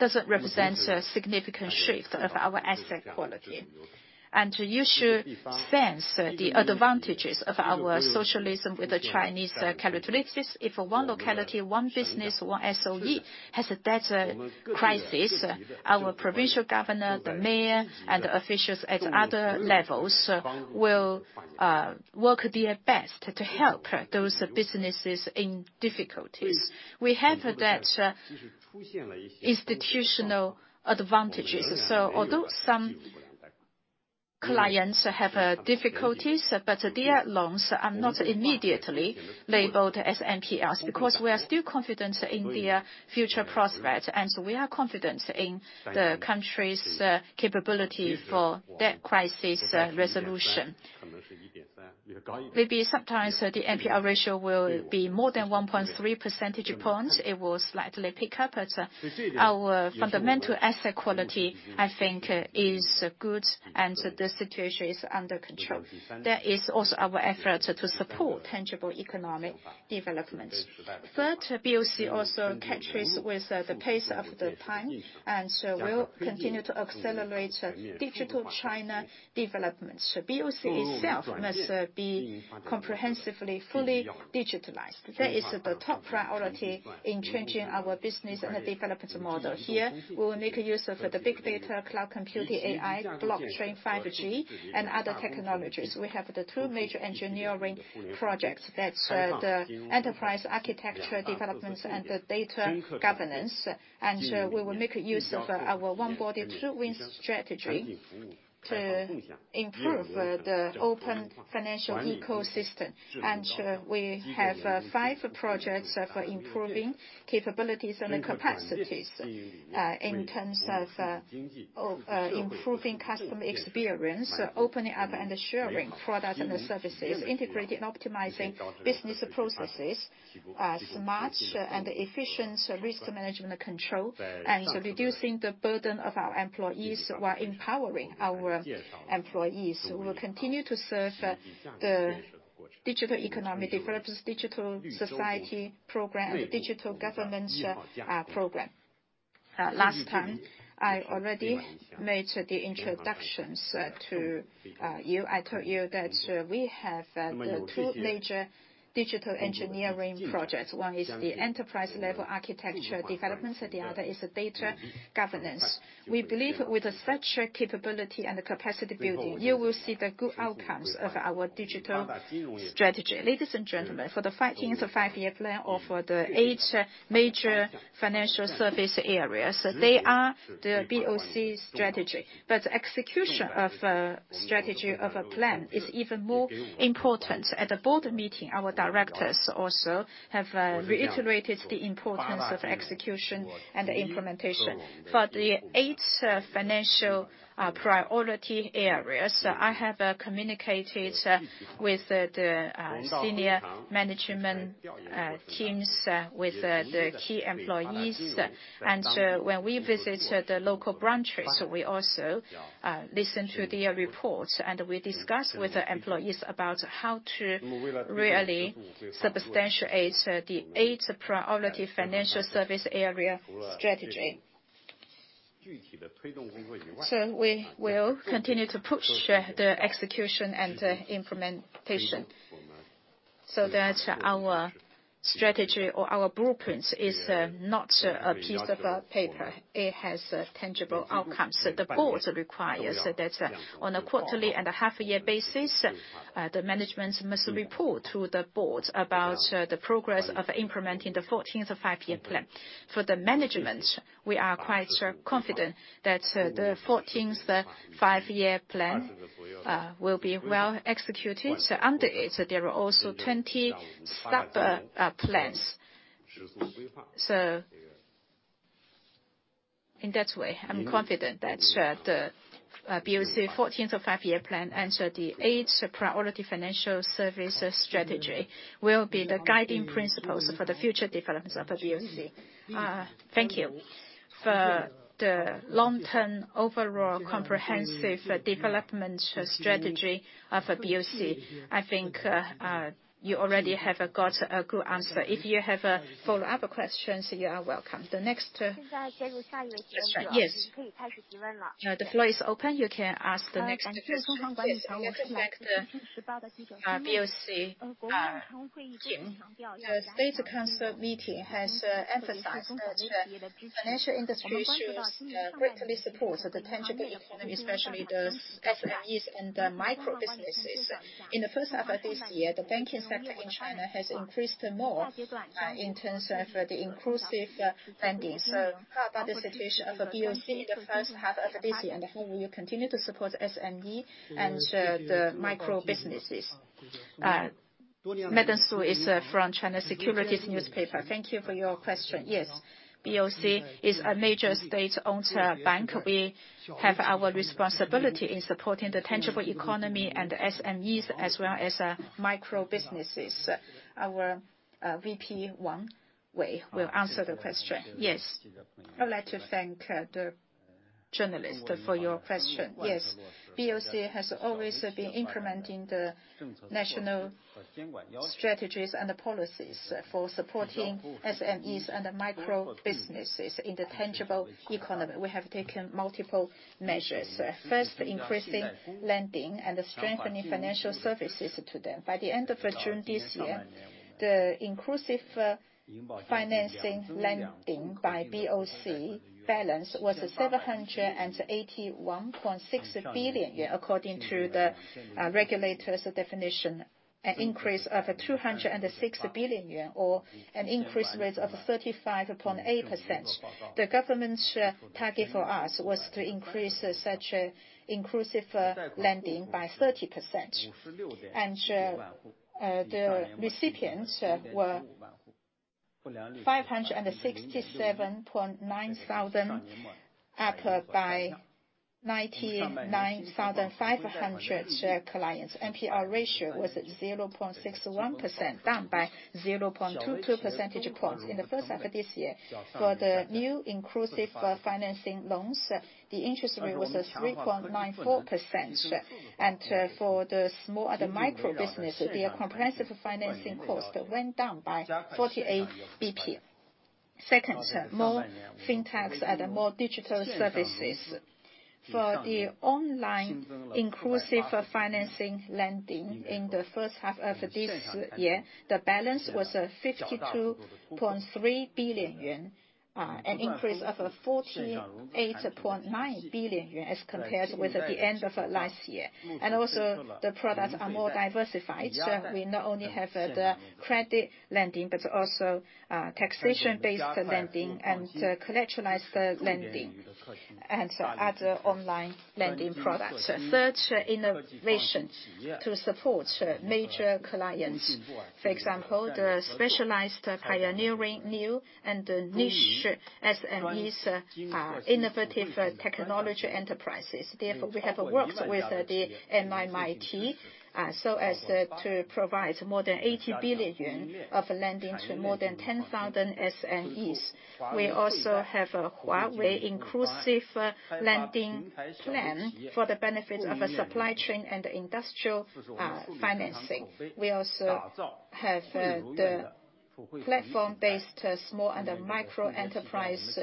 doesn't represent a significant shift of our asset quality. You should sense the advantages of our socialism with the Chinese characteristics. If one locality, one business, one SOE, has a debt crisis, our provincial governor, the mayor, and officials at other levels will work their best to help those businesses in difficulties. We have that institutional advantages. Although some clients have difficulties, but their loans are not immediately labeled as NPLs, because we are still confident in their future prospects, and we are confident in the country's capability for debt crisis resolution. Maybe sometimes the NPL ratio will be more than 1.3 percentage points. It will slightly pick up. Our fundamental asset quality, I think, is good, and the situation is under control. That is also our effort to support tangible economic development. Third, BOC also catches with the pace of the time, and so we will continue to accelerate Digital China development. BOC itself must be comprehensively fully digitalized. That is the top priority in changing our business and the development model. Here, we will make use of the big data, cloud computing, AI, blockchain, 5G, and other technologies. We have the two major engineering projects. That's the enterprise architecture developments and the data governance. We will make use of our One Body, Two Wings strategy to improve the open financial ecosystem. We have five projects for improving capabilities and capacities in terms of improving customer experience, opening up and sharing products and services, integrating and optimizing business processes, smart and efficient risk management control, reducing the burden of our employees while empowering our employees. We will continue to serve the digital economic development, digital society program, and digital government program. Last time, I already made the introductions to you. I told you that we have the two major digital engineering projects. One is the enterprise-level architecture developments, and the other is the data governance. We believe with such capability and capacity building, you will see the good outcomes of our digital strategy. Ladies and gentlemen, for the 15th Five-Year Plan or for the eight major financial service areas, they are the BOC strategy. Execution of a strategy of a plan is even more important. At the board meeting, our directors also have reiterated the importance of execution and implementation. For the eight financial priority areas, I have communicated with the senior management teams, with the key employees. When we visit the local branches, we also listen to their reports, and we discuss with the employees about how to really substantiate the Eight Priority Financial Service Area Strategy. We will continue to push the execution and the implementation, so that our strategy or our blueprint is not a piece of paper. It has tangible outcomes that the board requires that on a quarterly and a half-year basis, the management must report to the board about the progress of implementing the 14th Five-Year Plan. For the management, we are quite confident that the 14th Five-Year Plan will be well executed. Under it, there are also 20 sub-plans. In that way, I'm confident that the BOC 14th Five-Year Plan and the Eight Priority Financial Services Strategy will be the guiding principles for the future developments of BOC. Thank you. For the long-term overall comprehensive development strategy of BOC, I think you already have got a good answer. If you have follow-up questions, you are welcome. The next. Yes. The floor is open. You can ask the next question. Yes. With respect to BOC team, the State Council meeting has emphasized that financial industry should greatly support the tangible economy, especially the SMEs and the micro businesses. In the first half of this year, the banking sector in China has increased more in terms of the inclusive lending. How about the situation of BOC in the first half of this year, and if you will continue to support SME and the micro businesses? Madam Su is from China Securities Newspaper. Thank you for your question. BOC is a major state-owned bank. We have our responsibility in supporting the tangible economy and SMEs as well as micro businesses. Our VP Wang Wei will answer the question. I would like to thank the journalist for your question. BOC has always been implementing the national strategies and the policies for supporting SMEs and micro businesses in the tangible economy. We have taken multiple measures. First, increasing lending and strengthening financial services to them. By the end of June this year, the inclusive financing lending by BOC balance was CNY 781.6 billion, according to the regulator's definition, an increase of 206 billion yuan or an increase rate of 35.8%. The government's target for us was to increase such inclusive lending by 30%, and the recipients were 567,900, up by 99,500 clients. NPL ratio was 0.61%, down by 0.22 percentage points in the first half of this year. For the new inclusive finance loans, the interest rate was 3.94%. For the small other micro business, their comprehensive financing cost went down by 48 BP. Second, more fintech and more digital services. For the online inclusive finance lending in the first half of this year, the balance was 52.3 billion yuan, an increase of 48.9 billion yuan as compared with the end of last year. Also, the products are more diversified. We not only have the credit lending but also taxation-based lending and collectivized lending and other online lending products. Third, innovation to support major clients. For example, the specialized pioneering new and niche SMEs are innovative technology enterprises. We have worked with the MIIT so as to provide more than 80 billion yuan of lending to more than 10,000 SMEs. We also have a Huawei inclusive lending plan for the benefit of a supply chain and industrial financing. We also have the platform-based small and micro enterprise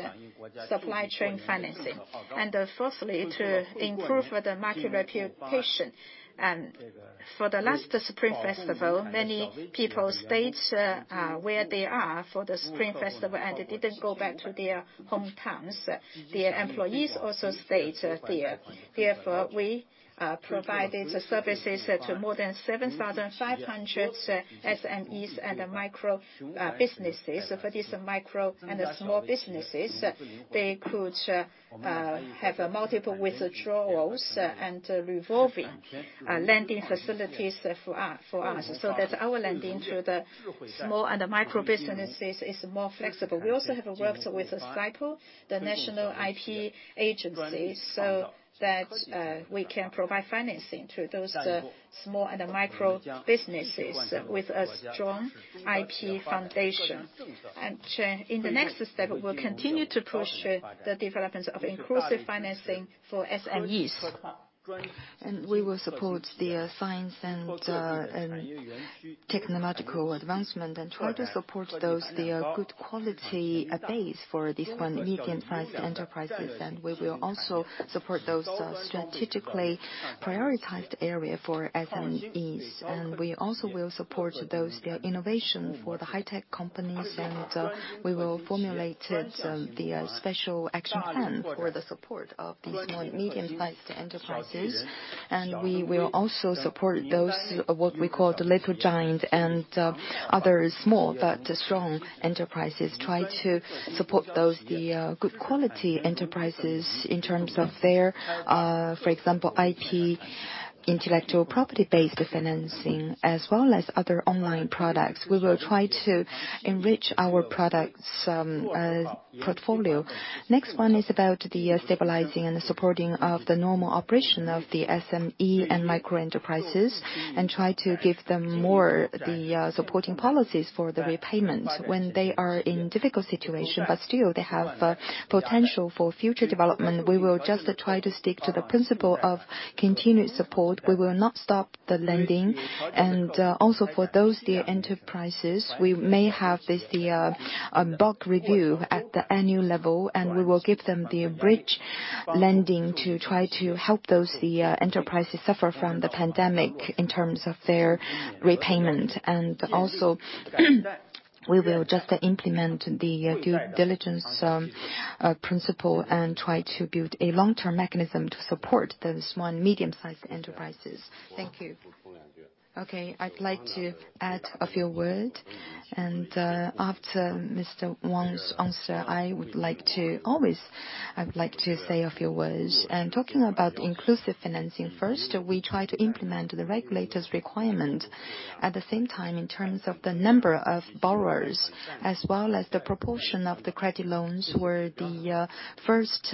supply chain financing. Fourthly, to improve the market reputation. For the last Spring Festival, many people stayed where they are for the Spring Festival, and they didn't go back to their hometowns. Their employees also stayed there. We provided services to more than 7,500 SMEs and micro businesses. For these micro and small businesses, they could have multiple withdrawals and revolving lending facilities for us, so that our lending to the small and micro businesses is more flexible. We also have worked with SIPO, the national IP agency, so that we can provide financing to those small and micro businesses with a strong IP foundation. In the next step, we will continue to push the developments of inclusive financing for SMEs. We will support the science and technological advancement and try to support those, their good quality base for these small and medium-sized enterprises. We will also support those strategically prioritized area for SMEs, and we also will support those, their innovation for the high-tech companies. We will formulate the special action plan for the support of these small and medium-sized enterprises. We will also support those, what we call the little giant and other small but strong enterprises. Try to support those, the good quality enterprises in terms of their, for example, IP-based financing as well as other online products. We will try to enrich our products portfolio. Next one is about the stabilizing and supporting of the normal operation of the SME and micro enterprises, and try to give them more of the supporting policies for the repayments when they are in a difficult situation. Still, they have potential for future development. We will just try to stick to the principle of continued support. We will not stop the lending. For those enterprises, we may have this bulk review at the annual level, and we will give them the bridge lending to try to help those enterprises suffer from the pandemic in terms of their repayment. We will just implement the due diligence principle and try to build a long-term mechanism to support the small and medium-sized enterprises. Thank you. Okay. I'd like to add a few words. After Mr. Wang's answer, I would like to say a few words. Talking about inclusive financing, first, we try to implement the regulators' requirement. At the same time, in terms of the number of borrowers, as well as the proportion of the credit loans were the first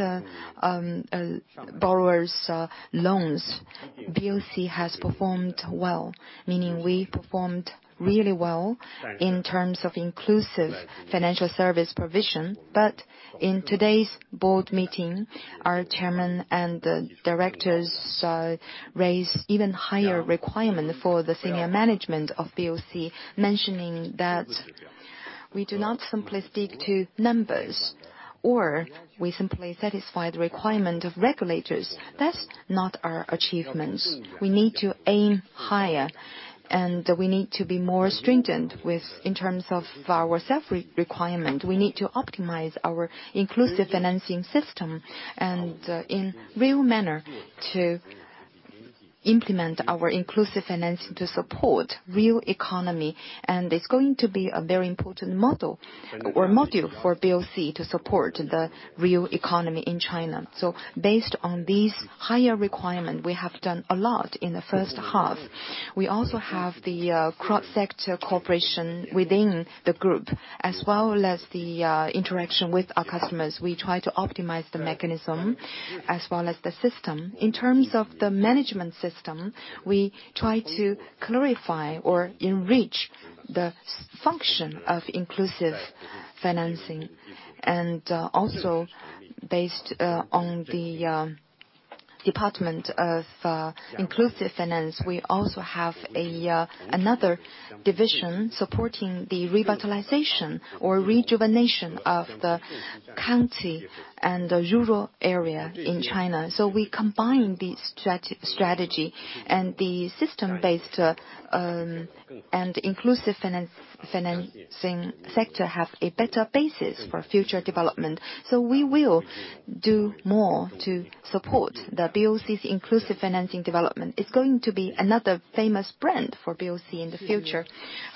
borrowers' loans. BOC has performed well, meaning we performed really well in terms of inclusive financial service provision. In today's board meeting, our chairman and the directors raised even higher requirements for the senior management of BOC, mentioning that we do not simply stick to numbers, or we simply satisfy the requirement of regulators. That's not our achievement. We need to aim higher, and we need to be more stringent in terms of our self-requirement. We need to optimize our inclusive financing system, in a real manner, to implement our inclusive financing to support the real economy. It's going to be a very important model or module for BOC to support the real economy in China. Based on this higher requirement, we have done a lot in the first half. We also have the cross-sector cooperation within the group, as well as the interaction with our customers. We try to optimize the mechanism as well as the system. In terms of the management system, we try to clarify or enrich the function of inclusive financing. Also, based on the Department of Inclusive Finance, we also have another division supporting the revitalization or rejuvenation of the county and the rural area in China. We combine this strategy, and the system-based and inclusive financing sector have a better basis for future development. We will do more to support BOC's inclusive finance development. It's going to be another famous brand for BOC in the future.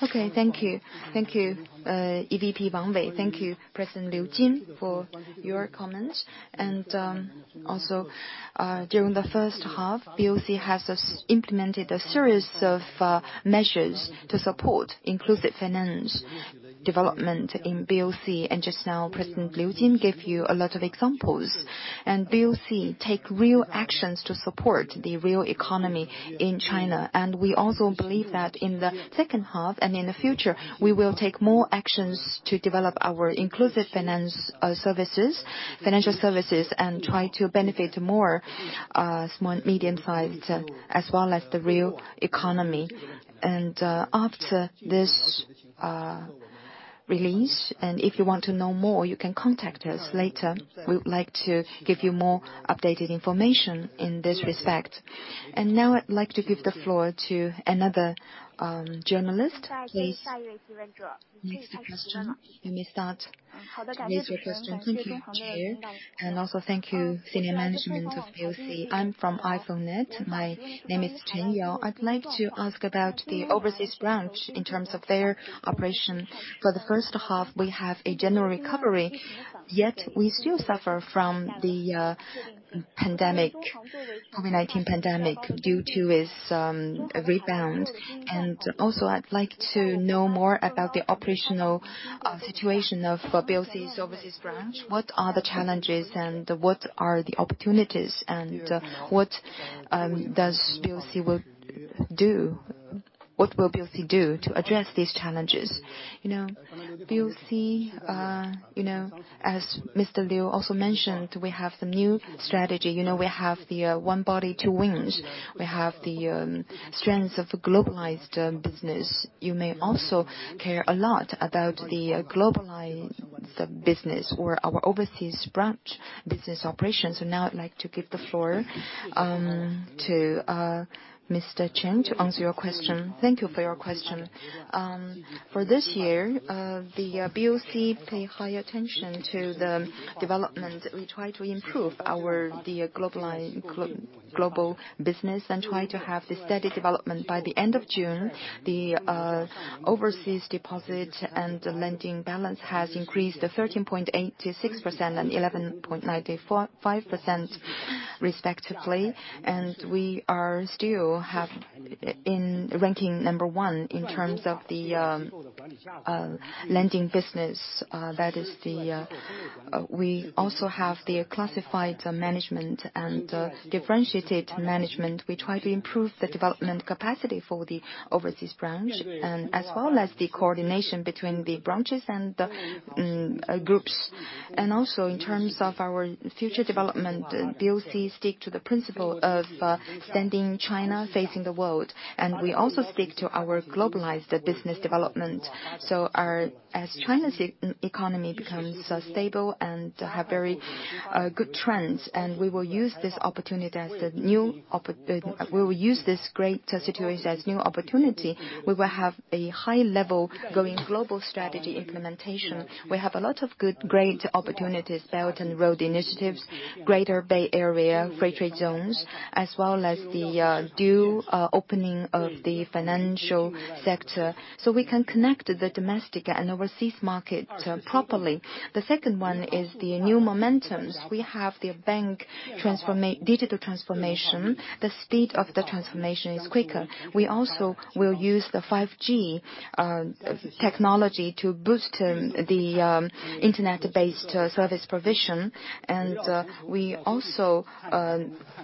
Okay. Thank you. Thank you, EVP Wang Wei. Thank you, President Liu Jin, for your comments. Also, during the first half, BOC has implemented a series of measures to support inclusive finance development in BOC. Just now, President Liu Jin gave you a lot of examples. BOC takes real actions to support the real economy in China. We also believe that in the second half and in the future, we will take more actions to develop our inclusive financial services and try to benefit more small, medium-sized, as well as the real economy. After this release, and if you want to know more, you can contact us later. We would like to give you more updated information in this respect. Now I'd like to give the floor to another journalist, please. Next question. You may start. Next question. Thank you, Chair. Also thank you, senior management of BOC. I'm from iFeng Net. My name is Chen Yao. I'd like to ask about the overseas branch in terms of their operation. For the first half, we have a general recovery, yet we still suffer from the COVID-19 pandemic due to its rebound. Also, I'd like to know more about the operational situation of BOC's overseas branch. What are the challenges, and what are the opportunities? What will BOC do to address these challenges? BOC, as Mr. Liu also mentioned, we have the new strategy. We have the One Body, Two Wings. We have the strength of a globalized business. You may also care a lot about the globalized business or our overseas branch business operations. Now I'd like to give the floor to Mr. Chen to answer your question. Thank you for your question. For this year, BOC paid high attention to the development. We try to improve our global business and try to have steady development. By the end of June, the overseas deposit and lending balance has increased to 13.86% and 11.95%, respectively, and we are still ranking number one in terms of the lending business. We also have the classified management and differentiated management. We try to improve the development capacity for the overseas branch, as well as the coordination between the branches and the groups. Also in terms of our future development, BOC stick to the principle of standing China facing the world. We also stick to our globalized business development. As China's economy becomes stable and have very good trends, we will use this great situation as new opportunity. We will have a high level going global strategy implementation. We have a lot of good, great opportunities, Belt and Road Initiative, Greater Bay Area, free trade zones, as well as the deep opening of the financial sector, so we can connect the domestic and overseas market properly. The second one is the new momentums. We have the bank digital transformation. The speed of the transformation is quicker. We also will use the 5G technology to boost the Internet-based service provision. We also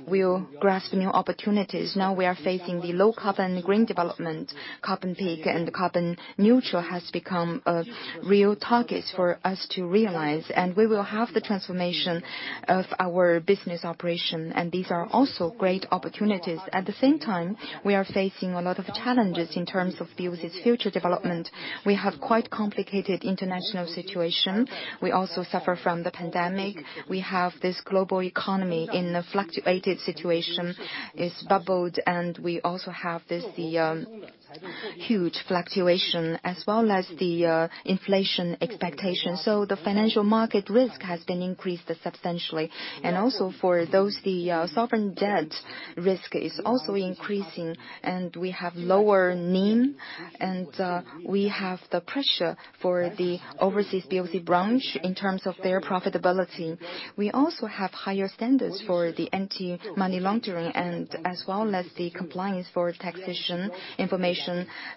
will grasp new opportunities. Now we are facing the low carbon green development. Carbon peak and carbon neutral has become a real target for us to realize, and we will have the transformation of our business operation, and these are also great opportunities. At the same time, we are facing a lot of challenges in terms of BOC's future development. We have quite complicated international situation. We also suffer from the pandemic. We have this global economy in a fluctuated situation, is bubbled, and we also have this huge fluctuation as well as the inflation expectation. The financial market risk has been increased substantially. Also for those, the sovereign debt risk is also increasing, and we have lower NIM, and we have the pressure for the overseas BOC branch in terms of their profitability. We also have higher standards for the anti-money laundering, as well as the compliance for taxation, information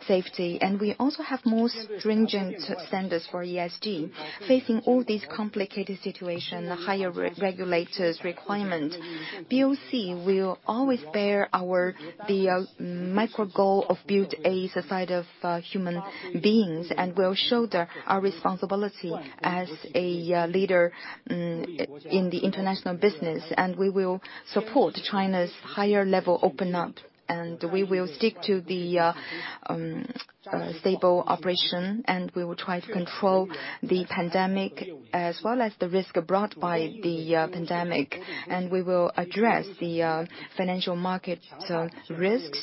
safety. We also have more stringent standards for ESG. Facing all these complicated situation, higher regulators requirement, BOC will always bear the micro goal of build a society of human beings and will shoulder our responsibility as a leader in the international business. We will support China's higher level open up, and we will stick to the stable operation, and we will try to control the pandemic as well as the risk brought by the pandemic. We will address the financial market risks,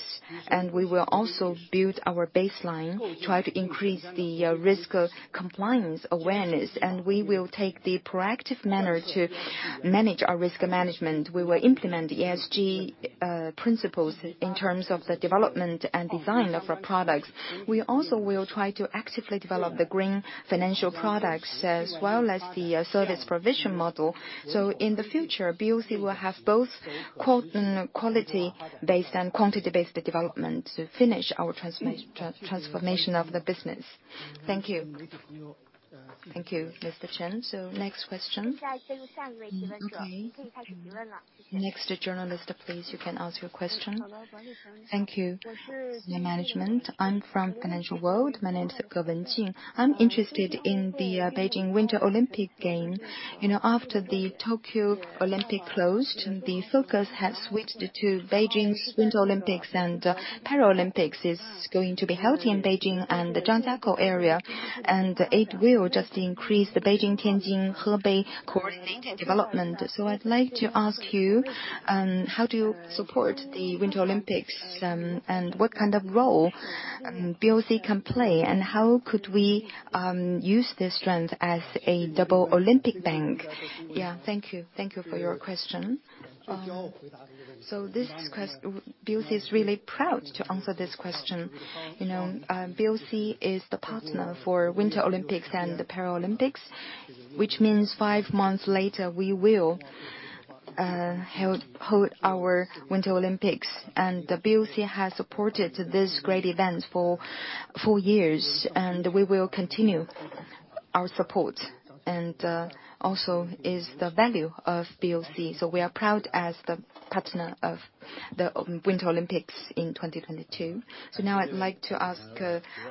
and we will also build our baseline, try to increase the risk compliance awareness. We will take the proactive manner to manage our risk management. We will implement ESG principles in terms of the development and design of our products. We also will try to actively develop the green financial products as well as the service provision model. In the future, BOC will have both quality-based and quantity-based development to finish our transformation of the business. Thank you. Thank you, Mr. Chen. Next question. Okay. Next journalist, please. You can ask your question. Thank you. New management. I'm from Financial World. My name is Grom Jing. I'm interested in the Beijing Winter Olympics. After the Tokyo 2020 Olympic closed, the focus has switched to Beijing's Winter Olympics and Paralympics is going to be held in Beijing and Zhangjiakou area, and it will just increase the Beijing, Tianjin, Hebei coordinated development. I'd like to ask you, how do you support the Winter Olympics, and what kind of role BOC can play, and how could we use this trend as a double Olympic bank? Yeah. Thank you. Thank you for your question. BOC is really proud to answer this question. BOC is the partner for Winter Olympics and the Paralympics, which means five months later, we will hold our Winter Olympics. BOC has supported this great event for four years, and we will continue. Our support, also is the value of BOC. We are proud as the partner of the Winter Olympics in 2022. Now I'd like to ask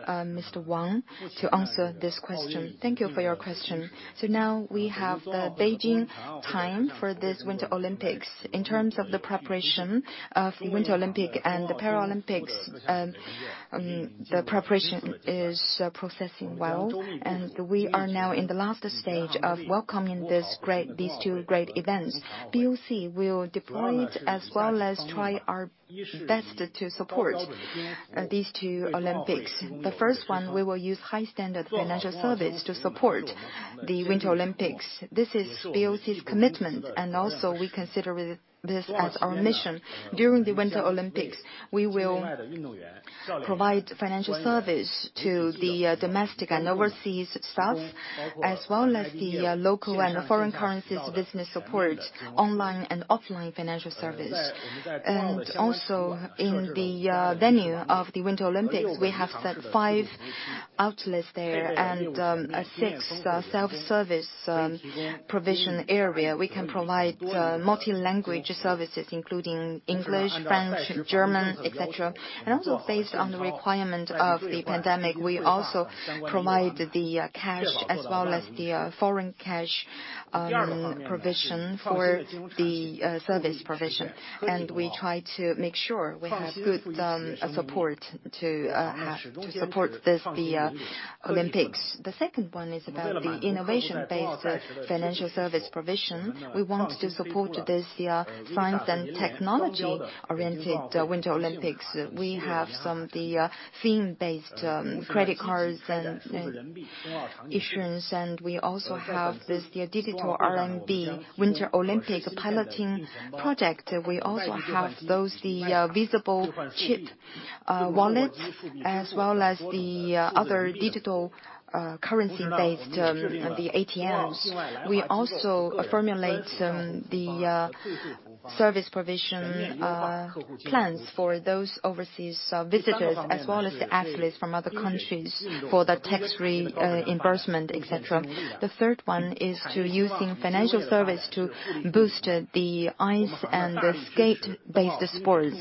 Mr. Wang to answer this question. Thank you for your question. Now we have the Beijing time for this Winter Olympics. In terms of the preparation of Winter Olympics and the Paralympics, the preparation is progressing well, and we are now in the last stage of welcoming these two great events. BOC will deploy as well as try our best to support these two Olympics. The first one, we will use high-standard financial service to support the Winter Olympics. This is BOC's commitment, and also we consider this as our mission. During the Winter Olympics, we will provide financial service to the domestic and overseas staff, as well as the local and foreign currencies business support, online and offline financial service. Also in the venue of the Winter Olympics, we have set five outlets there and six self-service provision area. We can provide multi-language services including English, French, German, et cetera. Also based on the requirement of the pandemic, we also provide the cash as well as the foreign cash provision for the service provision. We try to make sure we have good support to support the Olympics. The second one is about the innovation-based financial service provision. We want to support this science and technology-oriented Winter Olympics. We have some of the theme-based credit cards and issuance, and we also have the digital RMB Winter Olympic piloting project. We also have those visible chip wallets, as well as the other digital currency based on the ATMs. We also formulate the service provision plans for those overseas visitors as well as the athletes from other countries for the tax reimbursement, et cetera. The third one is to using financial service to boost the ice and the skate-based sports,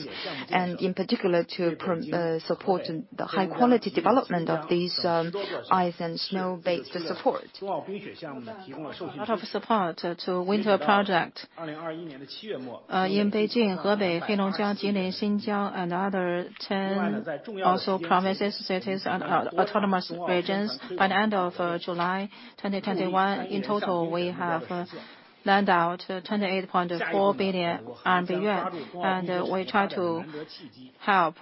and in particular to support the high-quality development of these ice and snow-based sports. A lot of support to Winter Olympics in Beijing, Hebei, Heilongjiang, Jilin, Xinjiang, and other 10 also provinces, cities and autonomous regions. By the end of July 2021, in total, we have lend out 28.4 billion yuan, we try to help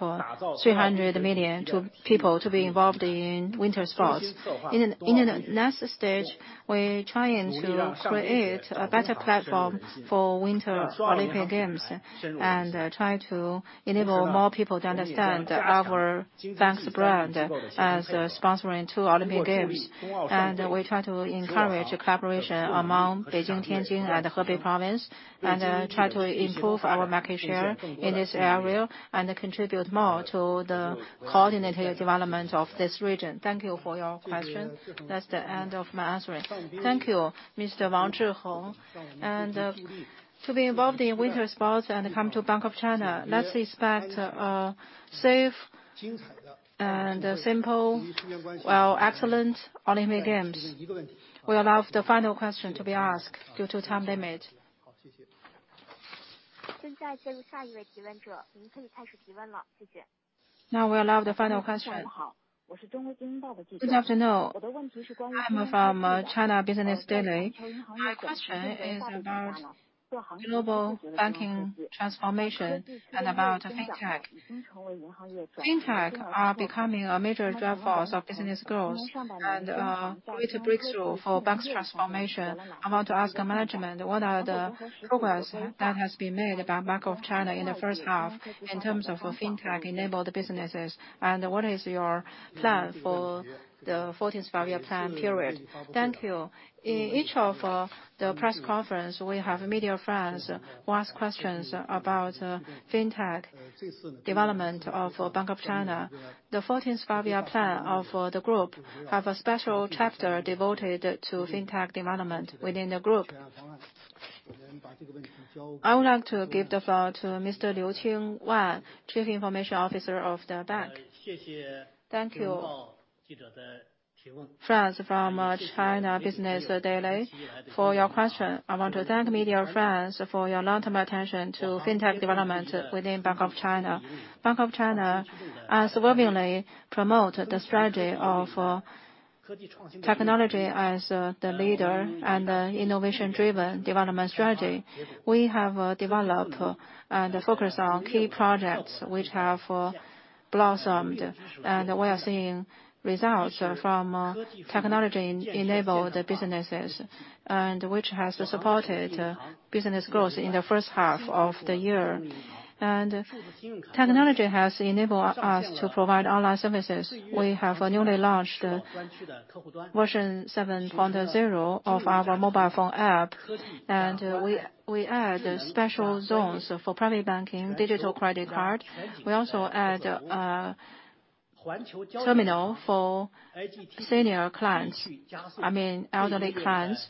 300 million to people to be involved in winter sports. In the next stage, we trying to create a better platform for Winter Olympic Games and try to enable more people to understand our Bank of China's brand as sponsoring two Olympic Games. We try to encourage collaboration among Beijing, Tianjin, and Hebei Province, and try to improve our market share in this area and contribute more to the coordinated development of this region. Thank you for your question. That's the end of my answering. Thank you, Mr. Wang Zhiheng. To be involved in Winter Sports and come to Bank of China, let's expect a safe and simple, excellent Olympic Games. We allow the final question to be asked due to time limit. Now we allow the final question. Good afternoon. I'm from China Business Journal. My question is about global banking transformation and about fintech. Fintech are becoming a major driver of business growth and a way to breakthrough for bank's transformation. I want to ask the management, what are the progress that has been made by Bank of China in the first half in terms of fintech-enabled businesses, and what is your plan for the 14th Five-Year Plan period? Thank you. In each of the press conference, we have media friends who ask questions about fintech development of Bank of China. The 14th Five-Year Plan of the group have a special chapter devoted to fintech development within the group. I would like to give the floor to Mr. Liu Qiuwan, Chief Information Officer of the bank. Thank you, friends from China Business Journal for your question. I want to thank media friends for your long-term attention to fintech development within Bank of China. Bank of China has willingly promote the strategy of technology as the leader and the innovation-driven development strategy. We have developed and focused on key projects which have blossomed, we are seeing results from technology-enabled businesses, which has supported business growth in the first half of the year. Technology has enabled us to provide online services. We have newly launched version 7.0 of our mobile phone app, we add special zones for private banking, digital credit card. We also add a terminal for senior clients. I mean, elderly clients.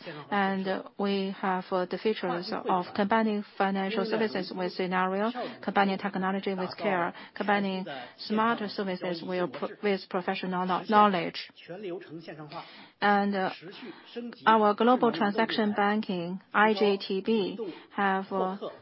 We have the features of combining financial services with scenario, combining technology with care, combining smarter services with professional knowledge. Our global transaction banking, iGTB, have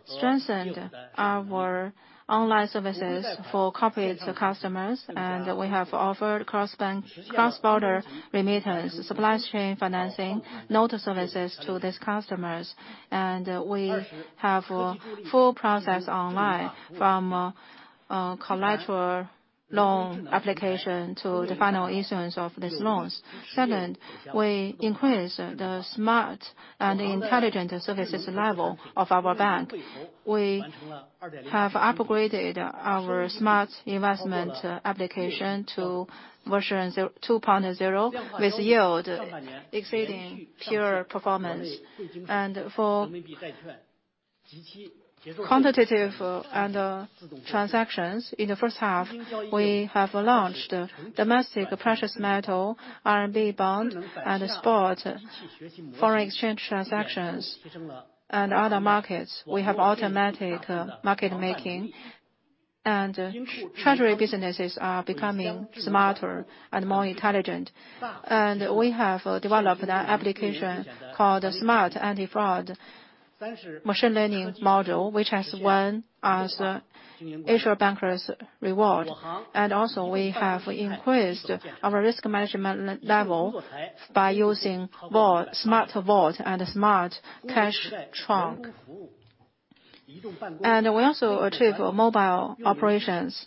strengthened our online services for corporate customers, and we have offered cross-border remittance, supply chain financing, notary services to these customers. We have full process online from a collateral loan application to the final issuance of these loans. Second, we increased the smart and intelligent services level of our bank. We have upgraded our Smart Investment application to version 2.0, with yield exceeding pure performance. For quantitative and transactions in the first half, we have launched domestic precious metal, RMB bond, and spot foreign exchange transactions and other markets. We have automatic market making, treasury businesses are becoming smarter and more intelligent. We have developed an application called Smart Anti-Fraud Machine Learning Module, which has won us The Asian Banker's Award. Also, we have increased our risk management level by using smart vault and smart cash trunk. We also achieve mobile operations.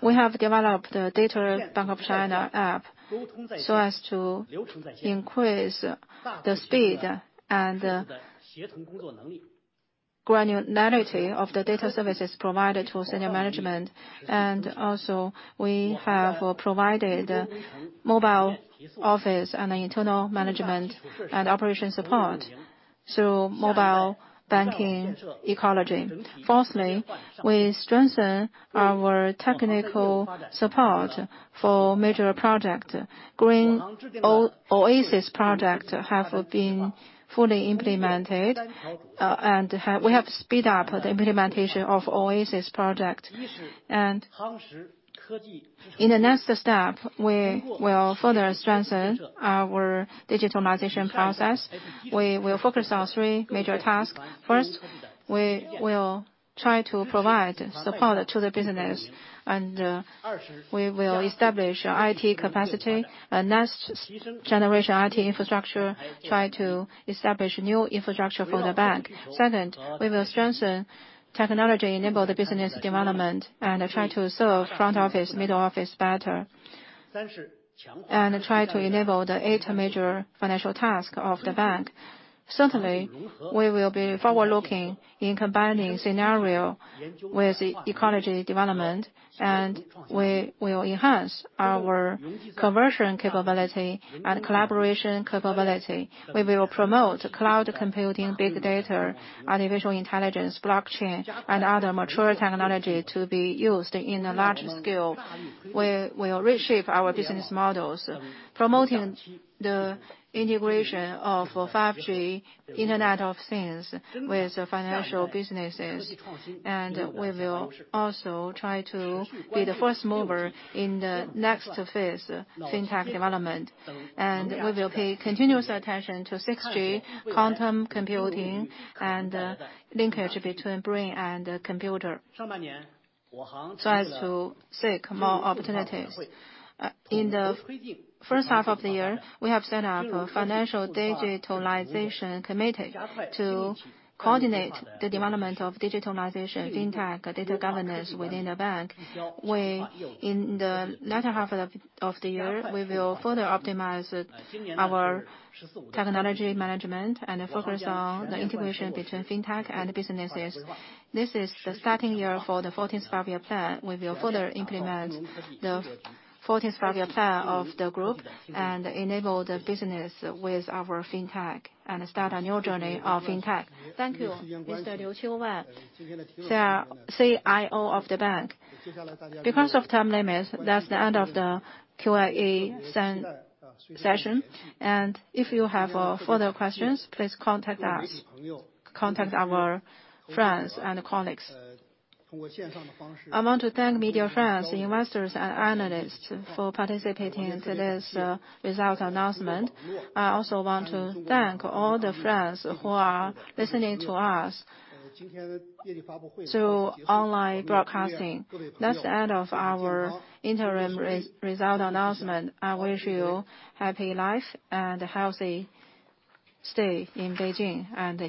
We have developed a digital Bank of China app so as to increase the speed and granularity of the data services provided to senior management. Also, we have provided mobile office and internal management and operation support through mobile banking ecology. Fourthly, we strengthen our technical support for major project. Green Oasis project have been fully implemented, and we have sped up the implementation of Oasis project. In the next step, we will further strengthen our digitalization process. We will focus on three major tasks. First, we will try to provide support to the business. We will establish IT capacity, a next-generation IT infrastructure, try to establish new infrastructure for the bank. Second, we will strengthen technology-enabled business development and try to serve front office, middle office better, and try to enable the eight major financial tasks of the bank. Certainly, we will be forward-looking in combining scenario with ecology development, and we will enhance our conversion capability and collaboration capability. We will promote cloud computing, big data, artificial intelligence, blockchain and other mature technology to be used in a large scale. We will reshape our business models, promoting the integration of 5G, Internet of Things, with financial businesses. We will also try to be the first mover in the next phase fintech development. We will pay continuous attention to 6G, quantum computing, and linkage between brain and computer. Try to seek more opportunities. In the first half of the year, we have set up a financial digitalization committee to coordinate the development of digitalization, fintech, data governance within the bank. In the latter half of the year, we will further optimize our technology management and focus on the integration between fintech and businesses. This is the starting year for the 14th Five-Year Plan. We will further implement the 14th Five-Year Plan of the group and enable the business with our fintech and start a new journey of fintech. Thank you. Mr. Liu Qiuwan, CIO of the bank. Because of time limits, that's the end of the Q&A session. If you have further questions, please contact us. Contact our friends and colleagues. I want to thank media friends, investors, and analysts for participating in today's result announcement. I also want to thank all the friends who are listening to us through online broadcasting. That's the end of our interim result announcement. I wish you happy life and a healthy stay in Beijing [and in -].